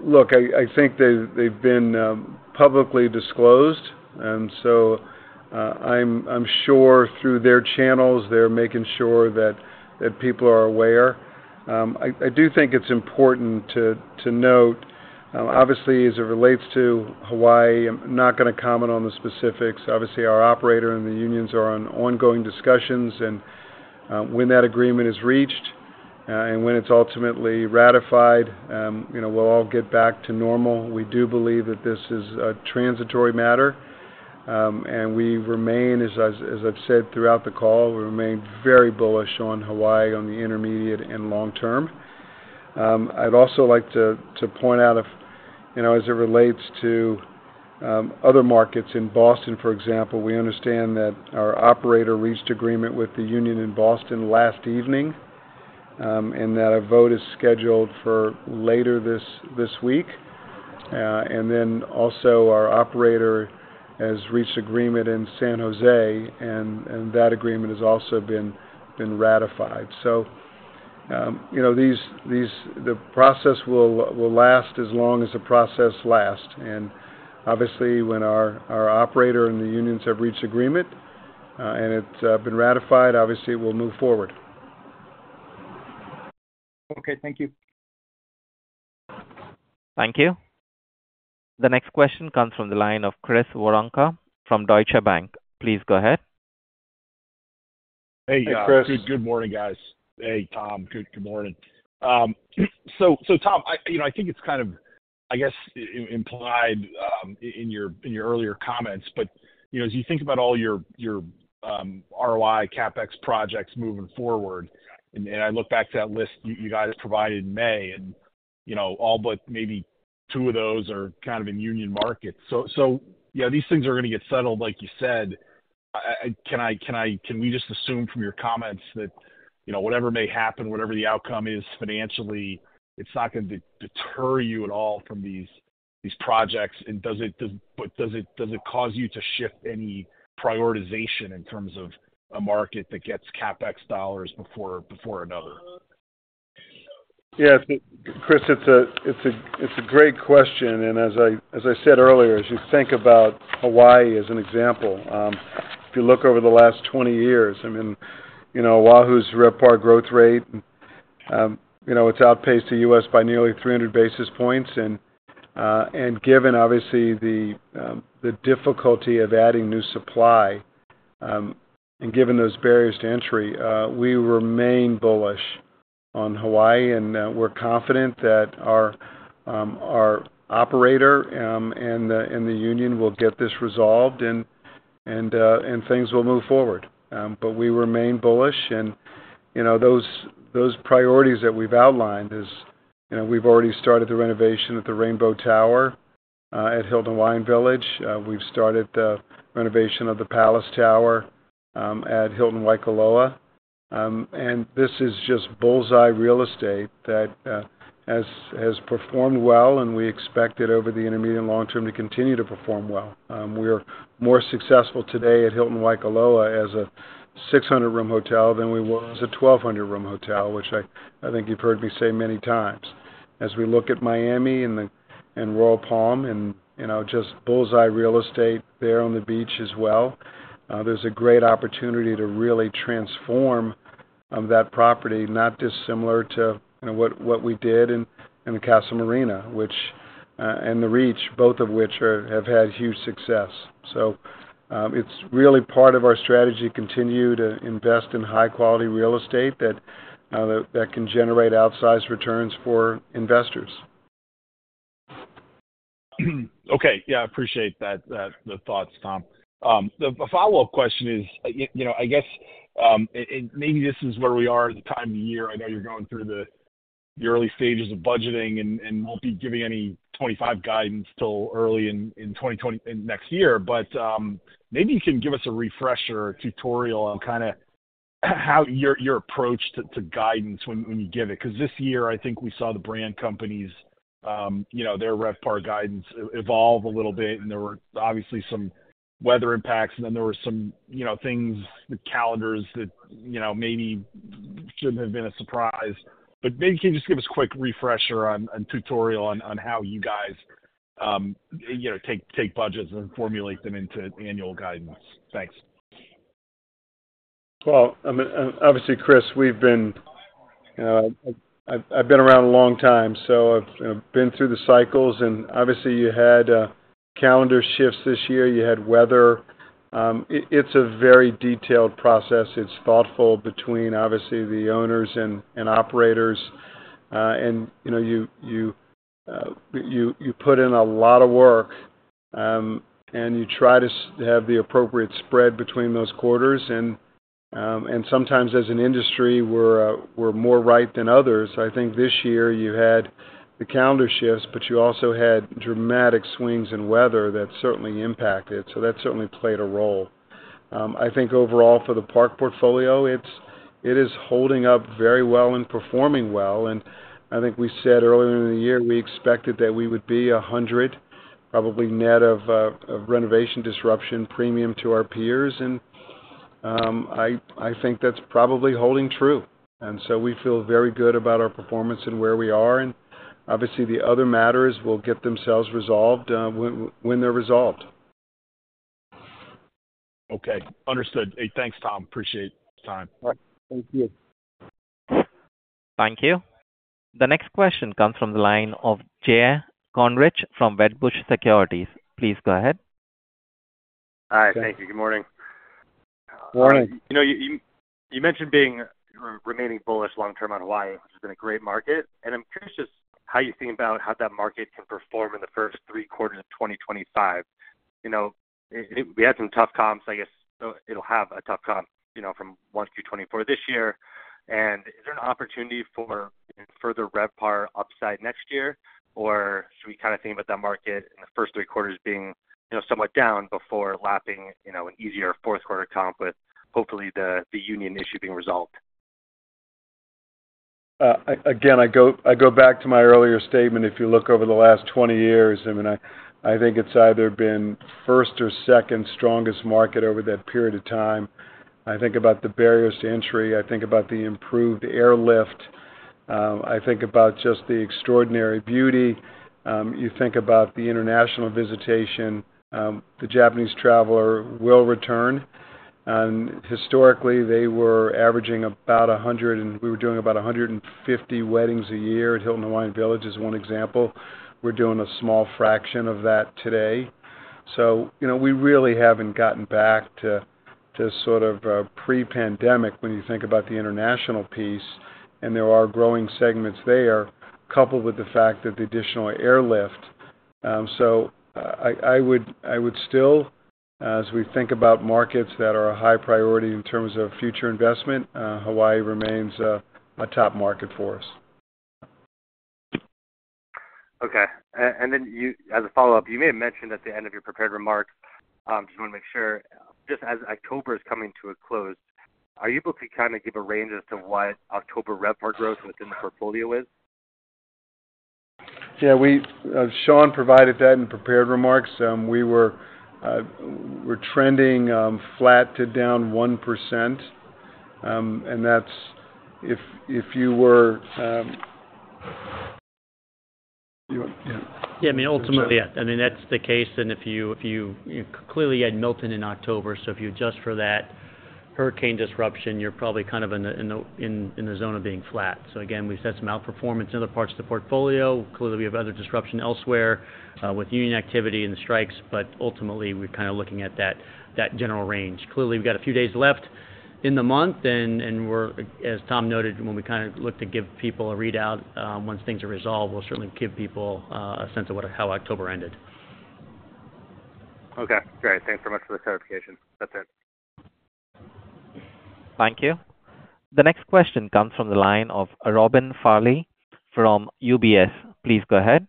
look, I think they've been publicly disclosed, and so I'm sure through their channels, they're making sure that people are aware. I do think it's important to note, obviously, as it relates to Hawaii, I'm not going to comment on the specifics. Obviously, our operator and the unions are on ongoing discussions, and when that agreement is reached and when it's ultimately ratified, we'll all get back to normal. We do believe that this is a transitory matter, and we remain, as I've said throughout the call, we remain very bullish on Hawaii on the intermediate and long term. I'd also like to point out, as it relates to other markets in Boston, for example, we understand that our operator reached agreement with the union in Boston last evening and that a vote is scheduled for later this week, and then also our operator has reached agreement in San Jose, and that agreement has also been ratified, so the process will last as long as the process lasts. And obviously, when our operator and the unions have reached agreement and it's been ratified, obviously, we'll move forward. Okay. Thank you. Thank you. The next question comes from the line of Chris Wronka from Deutsche Bank. Please go ahead. Hey, Chris. Good morning, guys. Hey, Tom. Good morning. So Tom, I think it's kind of, I guess, implied in your earlier comments. But as you think about all your ROI CapEx projects moving forward, and I look back to that list you guys provided in May, and all but maybe two of those are kind of in union markets. So these things are going to get settled, like you said. Can we just assume from your comments that whatever may happen, whatever the outcome is financially, it's not going to deter you at all from these projects? But does it cause you to shift any prioritization in terms of a market that gets CapEx dollars before another? Yeah. Chris, it's a great question. And as I said earlier, as you think about Hawaii as an example, if you look over the last 20 years, I mean, Oahu's RevPAR growth rate, it's outpaced the U.S. by nearly 300 basis points. And given, obviously, the difficulty of adding new supply and given those barriers to entry, we remain bullish on Hawaii. And we're confident that our operator and the union will get this resolved, and things will move forward. But we remain bullish. And those priorities that we've outlined is we've already started the renovation at the Rainbow Tower at Hilton Hawaiian Village. We've started the renovation of the Palace Tower at Hilton Waikoloa Village. And this is just bullseye real estate that has performed well. We expect it over the intermediate and long term to continue to perform well. We are more successful today at Hilton Waikoloa as a 600-room hotel than we were as a 1,200-room hotel, which I think you've heard me say many times. As we look at Miami and Royal Palm and just bullseye real estate there on the beach as well, there's a great opportunity to really transform that property, not dissimilar to what we did in the Casa Marina, and the Reach, both of which have had huge success. So it's really part of our strategy to continue to invest in high-quality real estate that can generate outsized returns for investors. Okay. Yeah. I appreciate the thoughts, Tom. The follow-up question is, I guess, maybe this is where we are at the time of the year. I know you're going through the early stages of budgeting and won't be giving any 2025 guidance till early in next year. But maybe you can give us a refresher tutorial on kind of how your approach to guidance when you give it. Because this year, I think we saw the brand companies, their RevPAR guidance evolve a little bit. And there were obviously some weather impacts. And then there were some things, the calendars that maybe shouldn't have been a surprise. But maybe can you just give us a quick refresher and tutorial on how you guys take budgets and formulate them into annual guidance? Thanks. Well, obviously, Chris, I've been around a long time. So I've been through the cycles. And obviously, you had calendar shifts this year. You had weather. It's a very detailed process. It's thoughtful between, obviously, the owners and operators. You put in a lot of work. You try to have the appropriate spread between those quarters. Sometimes, as an industry, we're more right than others. I think this year, you had the calendar shifts, but you also had dramatic swings in weather that certainly impacted. That certainly played a role. I think overall, for the Park portfolio, it is holding up very well and performing well. I think we said earlier in the year, we expected that we would be 100, probably net of renovation disruption premium to our peers. I think that's probably holding true. We feel very good about our performance and where we are. Obviously, the other matters will get themselves resolved when they're resolved. Okay. Understood. Hey, thanks, Tom. Appreciate the time. Thank you. Thank you. The next question comes from the line of Jay Kornreich from Wedbush Securities. Please go ahead. Hi. Thank you. Good morning. Morning. You mentioned remaining bullish long term on Hawaii, which has been a great market. And I'm curious just how you think about how that market can perform in the first three quarters of 2025. We had some tough comps. I guess it'll have a tough comp from 1Q24 this year. And is there an opportunity for further RevPAR upside next year? Or should we kind of think about that market in the first three quarters being somewhat down before lapping an easier fourth quarter comp with hopefully the union issue being resolved? Again, I go back to my earlier statement. If you look over the last 20 years, I mean, I think it's either been first or second strongest market over that period of time. I think about the barriers to entry. I think about the improved airlift. I think about just the extraordinary beauty. You think about the international visitation. The Japanese traveler will return, and historically, they were averaging about 100, and we were doing about 150 weddings a year at Hilton Hawaiian Village as one example. We're doing a small fraction of that today, so we really haven't gotten back to sort of pre-pandemic when you think about the international piece, and there are growing segments there, coupled with the fact that the additional airlift, so I would still, as we think about markets that are a high priority in terms of future investment, Hawaii remains a top market for us. Okay. Then as a follow-up, you may have mentioned at the end of your prepared remarks. I just want to make sure, just as October is coming to a close, are you able to kind of give a range as to what October RevPAR growth within the portfolio is? Yeah. Sean provided that in prepared remarks. We were trending flat to down 1%. And that's if you were, yeah. Yeah. I mean, ultimately, I mean, that's the case. And clearly, you had Milton in October. So if you adjust for that hurricane disruption, you're probably kind of in the zone of being flat. So again, we've had some outperformance in other parts of the portfolio. Clearly, we have other disruption elsewhere with union activity and the strikes. But ultimately, we're kind of looking at that general range. Clearly, we've got a few days left in the month. As Tom noted, when we kind of look to give people a readout once things are resolved, we'll certainly give people a sense of how October ended. Okay. Great. Thanks so much for the clarification. That's it. Thank you. The next question comes from the line of Robin Farley from UBS. Please go ahead.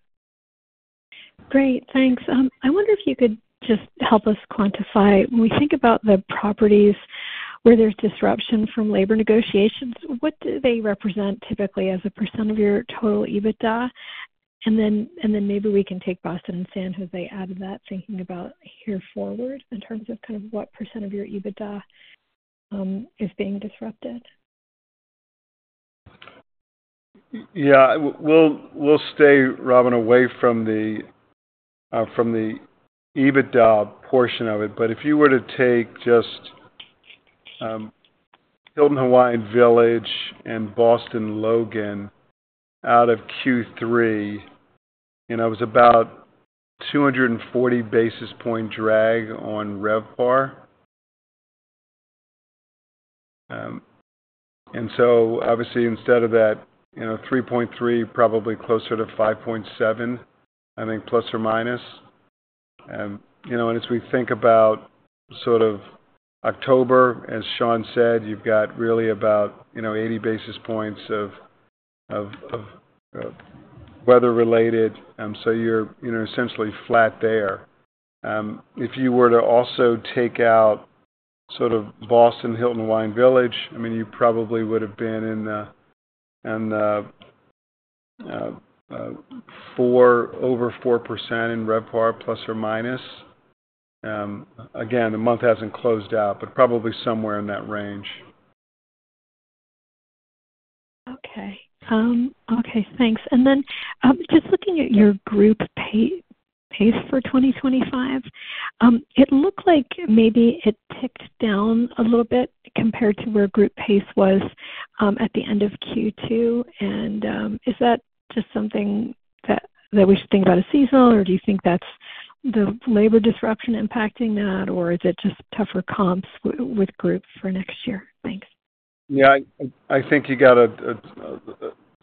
Great. Thanks. I wonder if you could just help us quantify. When we think about the properties where there's disruption from labor negotiations, what do they represent typically as a % of your total EBITDA? And then maybe we can take Boston and San Jose out of that, thinking about here forward in terms of kind of what % of your EBITDA is being disrupted. Yeah. We'll stay, Robin, away from the EBITDA portion of it. But if you were to take just Hilton Hawaiian Village and Boston Logan out of Q3, it was about 240 basis points drag on RevPAR. And so obviously, instead of that 3.3%, probably closer to 5.7%, I think, plus or minus. And as we think about sort of October, as Sean said, you've got really about 80 basis points of weather-related. So you're essentially flat there. If you were to also take out sort of Boston, Hilton Hawaiian Village, I mean, you probably would have been over 4% in RevPAR, plus or minus. Again, the month hasn't closed out, but probably somewhere in that range. Okay. Okay. Thanks. And then just looking at your group pace for 2025, it looked like maybe it ticked down a little bit compared to where group pace was at the end of Q2.And is that just something that we should think about as seasonal? Or do you think that's the labor disruption impacting that? Or is it just tougher comps with group for next year? Thanks. Yeah. I think you got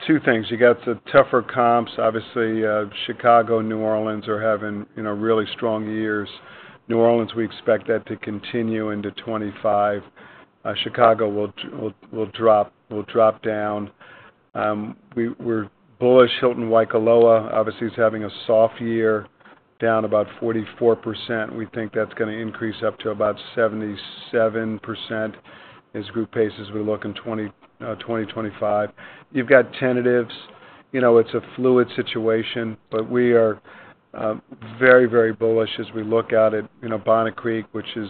two things. You got the tougher comps. Obviously, Chicago, New Orleans are having really strong years. New Orleans, we expect that to continue into 2025. Chicago will drop down. We're bullish. Hilton Waikoloa, obviously, is having a soft year, down about 44%. We think that's going to increase up to about 77% as group pace as we look in 2025. You've got tentatives. It's a fluid situation. But we are very, very bullish as we look at it. Bonnet Creek, which is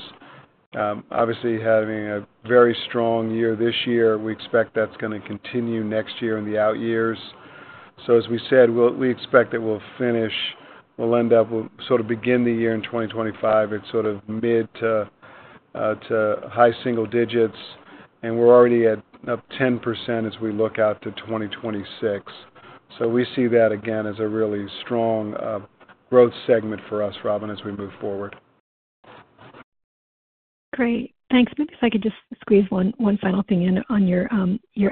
obviously having a very strong year this year, we expect that's going to continue next year in the out years. So as we said, we expect that we'll finish, we'll end up, we'll sort of begin the year in 2025 at sort of mid to high single digits. And we're already at up 10% as we look out to 2026. So we see that again as a really strong growth segment for us, Robin, as we move forward. Great. Thanks. Maybe if I could just squeeze one final thing in on your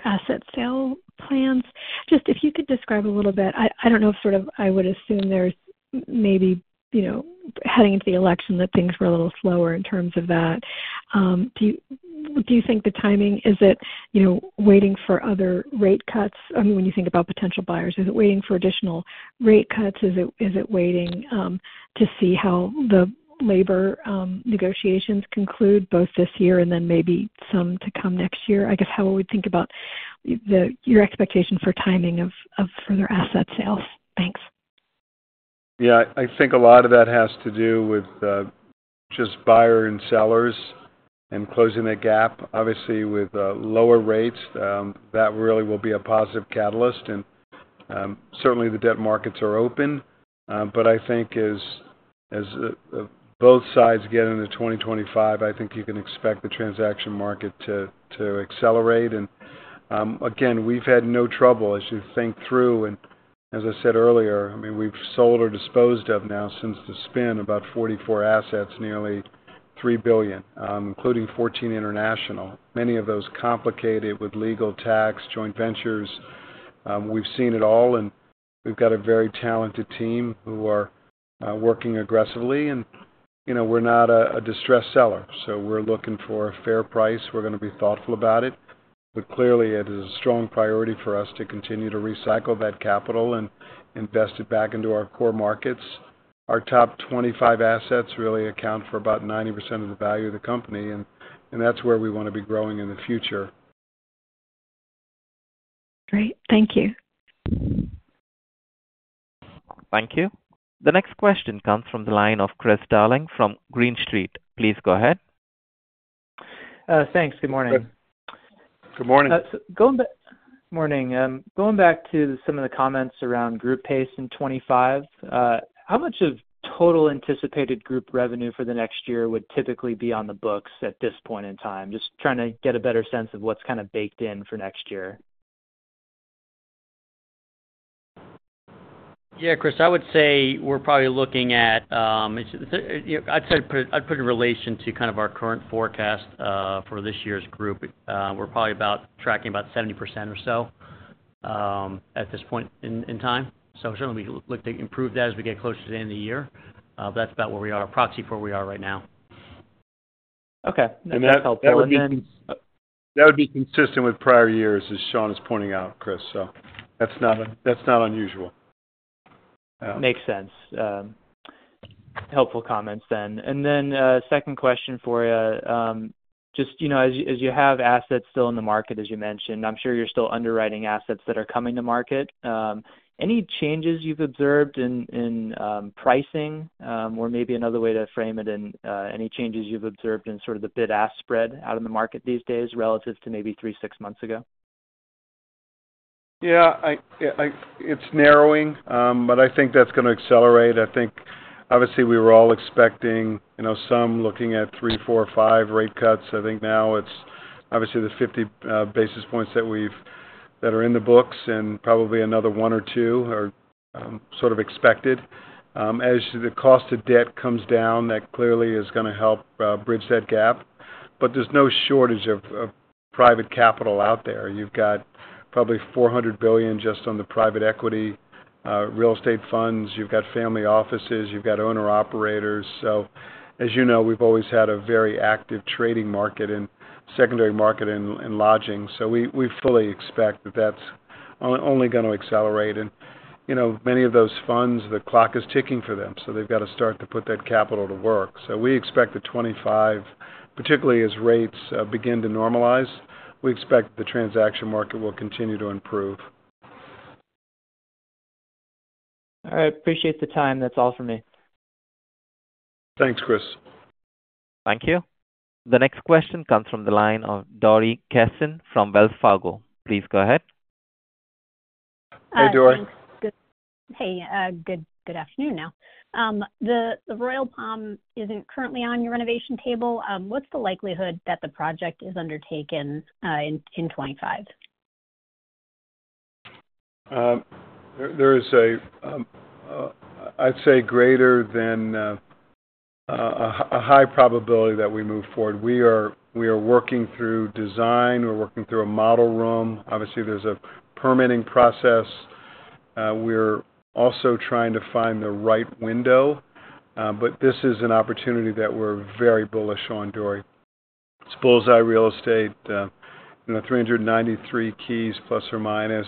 asset sale plans. Just if you could describe a little bit, I don't know if sort of I would assume there's maybe heading into the election that things were a little slower in terms of that. Do you think the timing, is it waiting for other rate cuts? I mean, when you think about potential buyers, is it waiting for additional rate cuts? Is it waiting to see how the labor negotiations conclude both this year and then maybe some to come next year? I guess how would we think about your expectation for timing of further asset sales? Thanks. Yeah. I think a lot of that has to do with just buyers and sellers and closing that gap. Obviously, with lower rates, that really will be a positive catalyst. And certainly, the debt markets are open. But I think as both sides get into 2025, I think you can expect the transaction market to accelerate. And again, we've had no trouble as you think through. And as I said earlier, I mean, we've sold or disposed of now since the spin about 44 assets, nearly $3 billion, including 14 international. Many of those complicated with legal, tax, joint ventures. We've seen it all. And we've got a very talented team who are working aggressively. And we're not a distressed seller. So we're looking for a fair price. We're going to be thoughtful about it. But clearly, it is a strong priority for us to continue to recycle that capital and invest it back into our core markets. Our top 25 assets really account for about 90% of the value of the company. And that's where we want to be growing in the future. Great. Thank you. Thank you. The next question comes from the line of Chris Darling from Green Street. Please go ahead. Thanks. Good morning. Good morning. Morning. Going back to some of the comments around group pace in 2025, how much of total anticipated group revenue for the next year would typically be on the books at this point in time? Just trying to get a better sense of what's kind of baked in for next year. Yeah, Chris, I would say we're probably looking at. I'd put it in relation to kind of our current forecast for this year's group. We're probably tracking about 70% or so at this point in time. So certainly, we look to improve that as we get closer to the end of the year. But that's about where we are, a proxy for where we are right now. Okay. That's helpful. That would be consistent with prior years, as Sean is pointing out, Chris. So that's not unusual. Makes sense. Helpful comments then and then second question for you, just as you have assets still in the market, as you mentioned. I'm sure you're still underwriting assets that are coming to market. Any changes you've observed in pricing or maybe another way to frame it in any changes you've observed in sort of the bid-ask spread out in the market these days relative to maybe three, six months ago? Yeah. It's narrowing, but I think that's going to accelerate. I think, obviously, we were all expecting some looking at three, four, five rate cuts. I think now it's obviously the 50 basis points that are in the books and probably another one or two are sort of expected. As the cost of debt comes down, that clearly is going to help bridge that gap, but there's no shortage of private capital out there. You've got probably $400 billion just on the private equity real estate funds. You've got family offices. You've got owner-operators. So as you know, we've always had a very active trading market and secondary market in lodging. So we fully expect that that's only going to accelerate. And many of those funds, the clock is ticking for them. So they've got to start to put that capital to work. So we expect the 2025, particularly as rates begin to normalize, we expect the transaction market will continue to improve. All right. Appreciate the time. That's all for me. Thanks, Chris. Thank you. The next question comes from the line of Dori Kessen from Wells Fargo. Please go ahead. Hi, Dori. Hey. Good afternoon now. The Royal Palm isn't currently on your renovation table. What's the likelihood that the project is undertaken in 2025? There is a, I'd say, greater than a high probability that we move forward. We are working through design. We're working through a model room. Obviously, there's a permitting process. We're also trying to find the right window. But this is an opportunity that we're very bullish on, Dori. It's bullseye real estate, 393 keys plus or minus.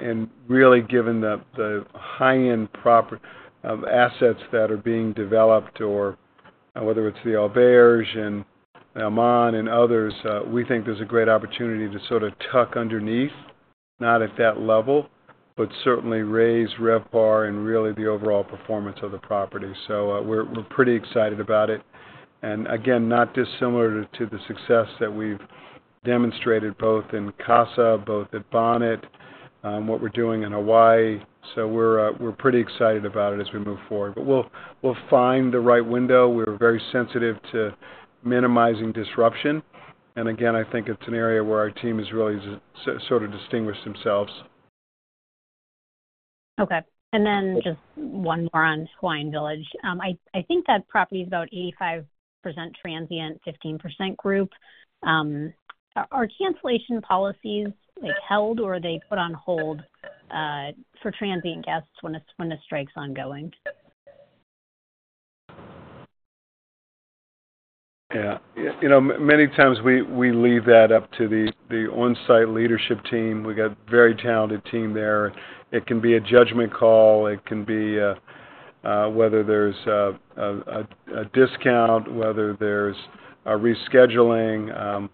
And really, given the high-end assets that are being developed, or whether it's the Auberges and the Aman and others, we think there's a great opportunity to sort of tuck underneath, not at that level, but certainly raise RevPAR and really the overall performance of the property. So we're pretty excited about it. And again, not dissimilar to the success that we've demonstrated both in Casa, both at Bonnet and what we're doing in Hawaii. So we're pretty excited about it as we move forward. But we'll find the right window. We're very sensitive to minimizing disruption. And again, I think it's an area where our team has really sort of distinguished themselves. Okay. And then just one more on Hawaiian Village. I think that property is about 85% transient, 15% group. Are cancellation policies held or are they put on hold for transient guests when the strike's ongoing? Yeah. Many times, we leave that up to the on-site leadership team. We've got a very talented team there. It can be a judgment call. It can be whether there's a discount, whether there's a rescheduling.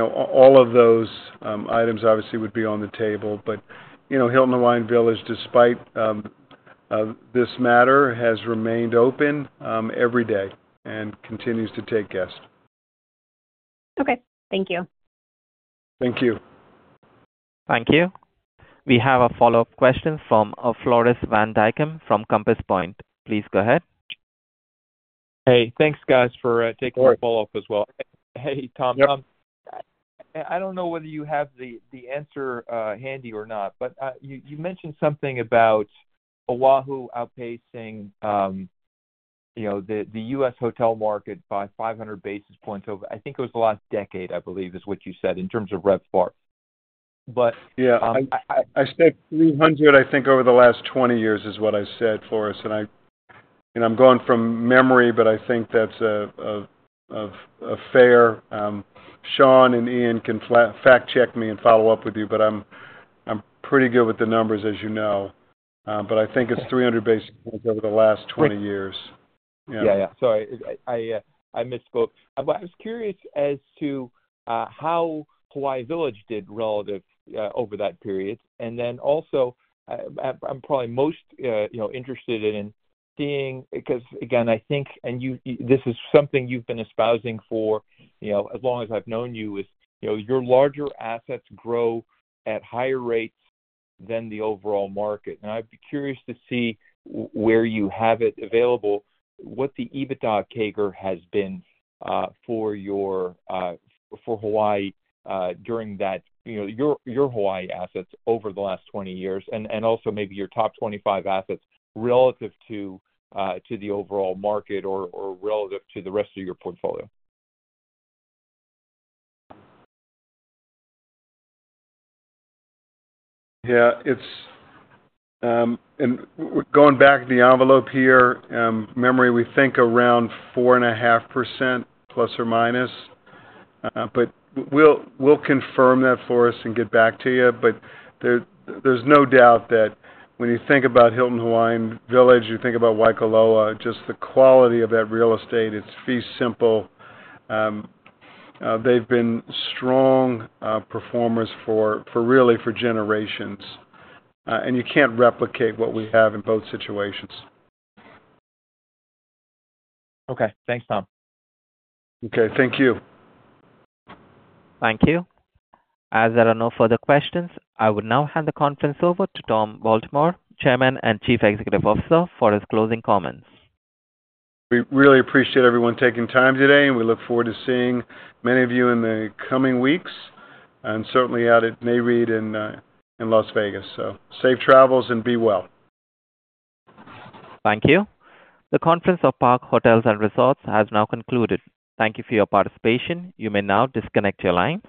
All of those items, obviously, would be on the table. But Hilton Hawaiian Village, despite this matter, has remained open every day and continues to take guests. Okay. Thank you. Thank you. Thank you. We have a follow-up question from Floris Van Dijkum from Compass Point. Please go ahead. Hey. Thanks, guys, for taking the follow-up as well. Hey, Tom. I don't know whether you have the answer handy or not. But you mentioned something about Oahu outpacing the U.S. hotel market by 500 basis points over, I think it was the last decade, I believe, is what you said in terms of RevPAR. But I said 300, I think, over the last 20 years is what I said, Floris. And I'm going from memory, but I think that's a fair—Sean and Ian can fact-check me and follow up with you. But I'm pretty good with the numbers, as you know. But I think it's 300 basis points over the last 20 years. Yeah. Yeah. Sorry. I misspoke. But I was curious as to how Hilton Hawaiian Village did relative over that period. And then also, I'm probably most interested in seeing because, again, I think—and this is something you've been espousing for as long as I've known you—is your larger assets grow at higher rates than the overall market. And I'd be curious to see where you have it available, what the EBITDA CAGR has been for Hawaii during that, your Hawaii assets over the last 20 years, and also maybe your top 25 assets relative to the overall market or relative to the rest of your portfolio. Yeah. And going back to the envelope here from memory, we think around 4.5% plus or minus. But we'll confirm that for us and get back to you. But there's no doubt that when you think about Hilton Hawaiian Village, you think about Waikoloa, just the quality of that real estate. It's fee simple. They've been strong performers really for generations. And you can't replicate what we have in both situations. Okay. Thanks, Tom. Okay. Thank you. Thank you. As there are no further questions, I will now hand the conference over to Tom Baltimore, Chairman and Chief Executive Officer, for his closing comments. We really appreciate everyone taking time today, and we look forward to seeing many of you in the coming weeks, and certainly out at Nareit and Las Vegas, so safe travels and be well. Thank you. The conference of Park Hotels and Resorts has now concluded. Thank you for your participation. You may now disconnect your line.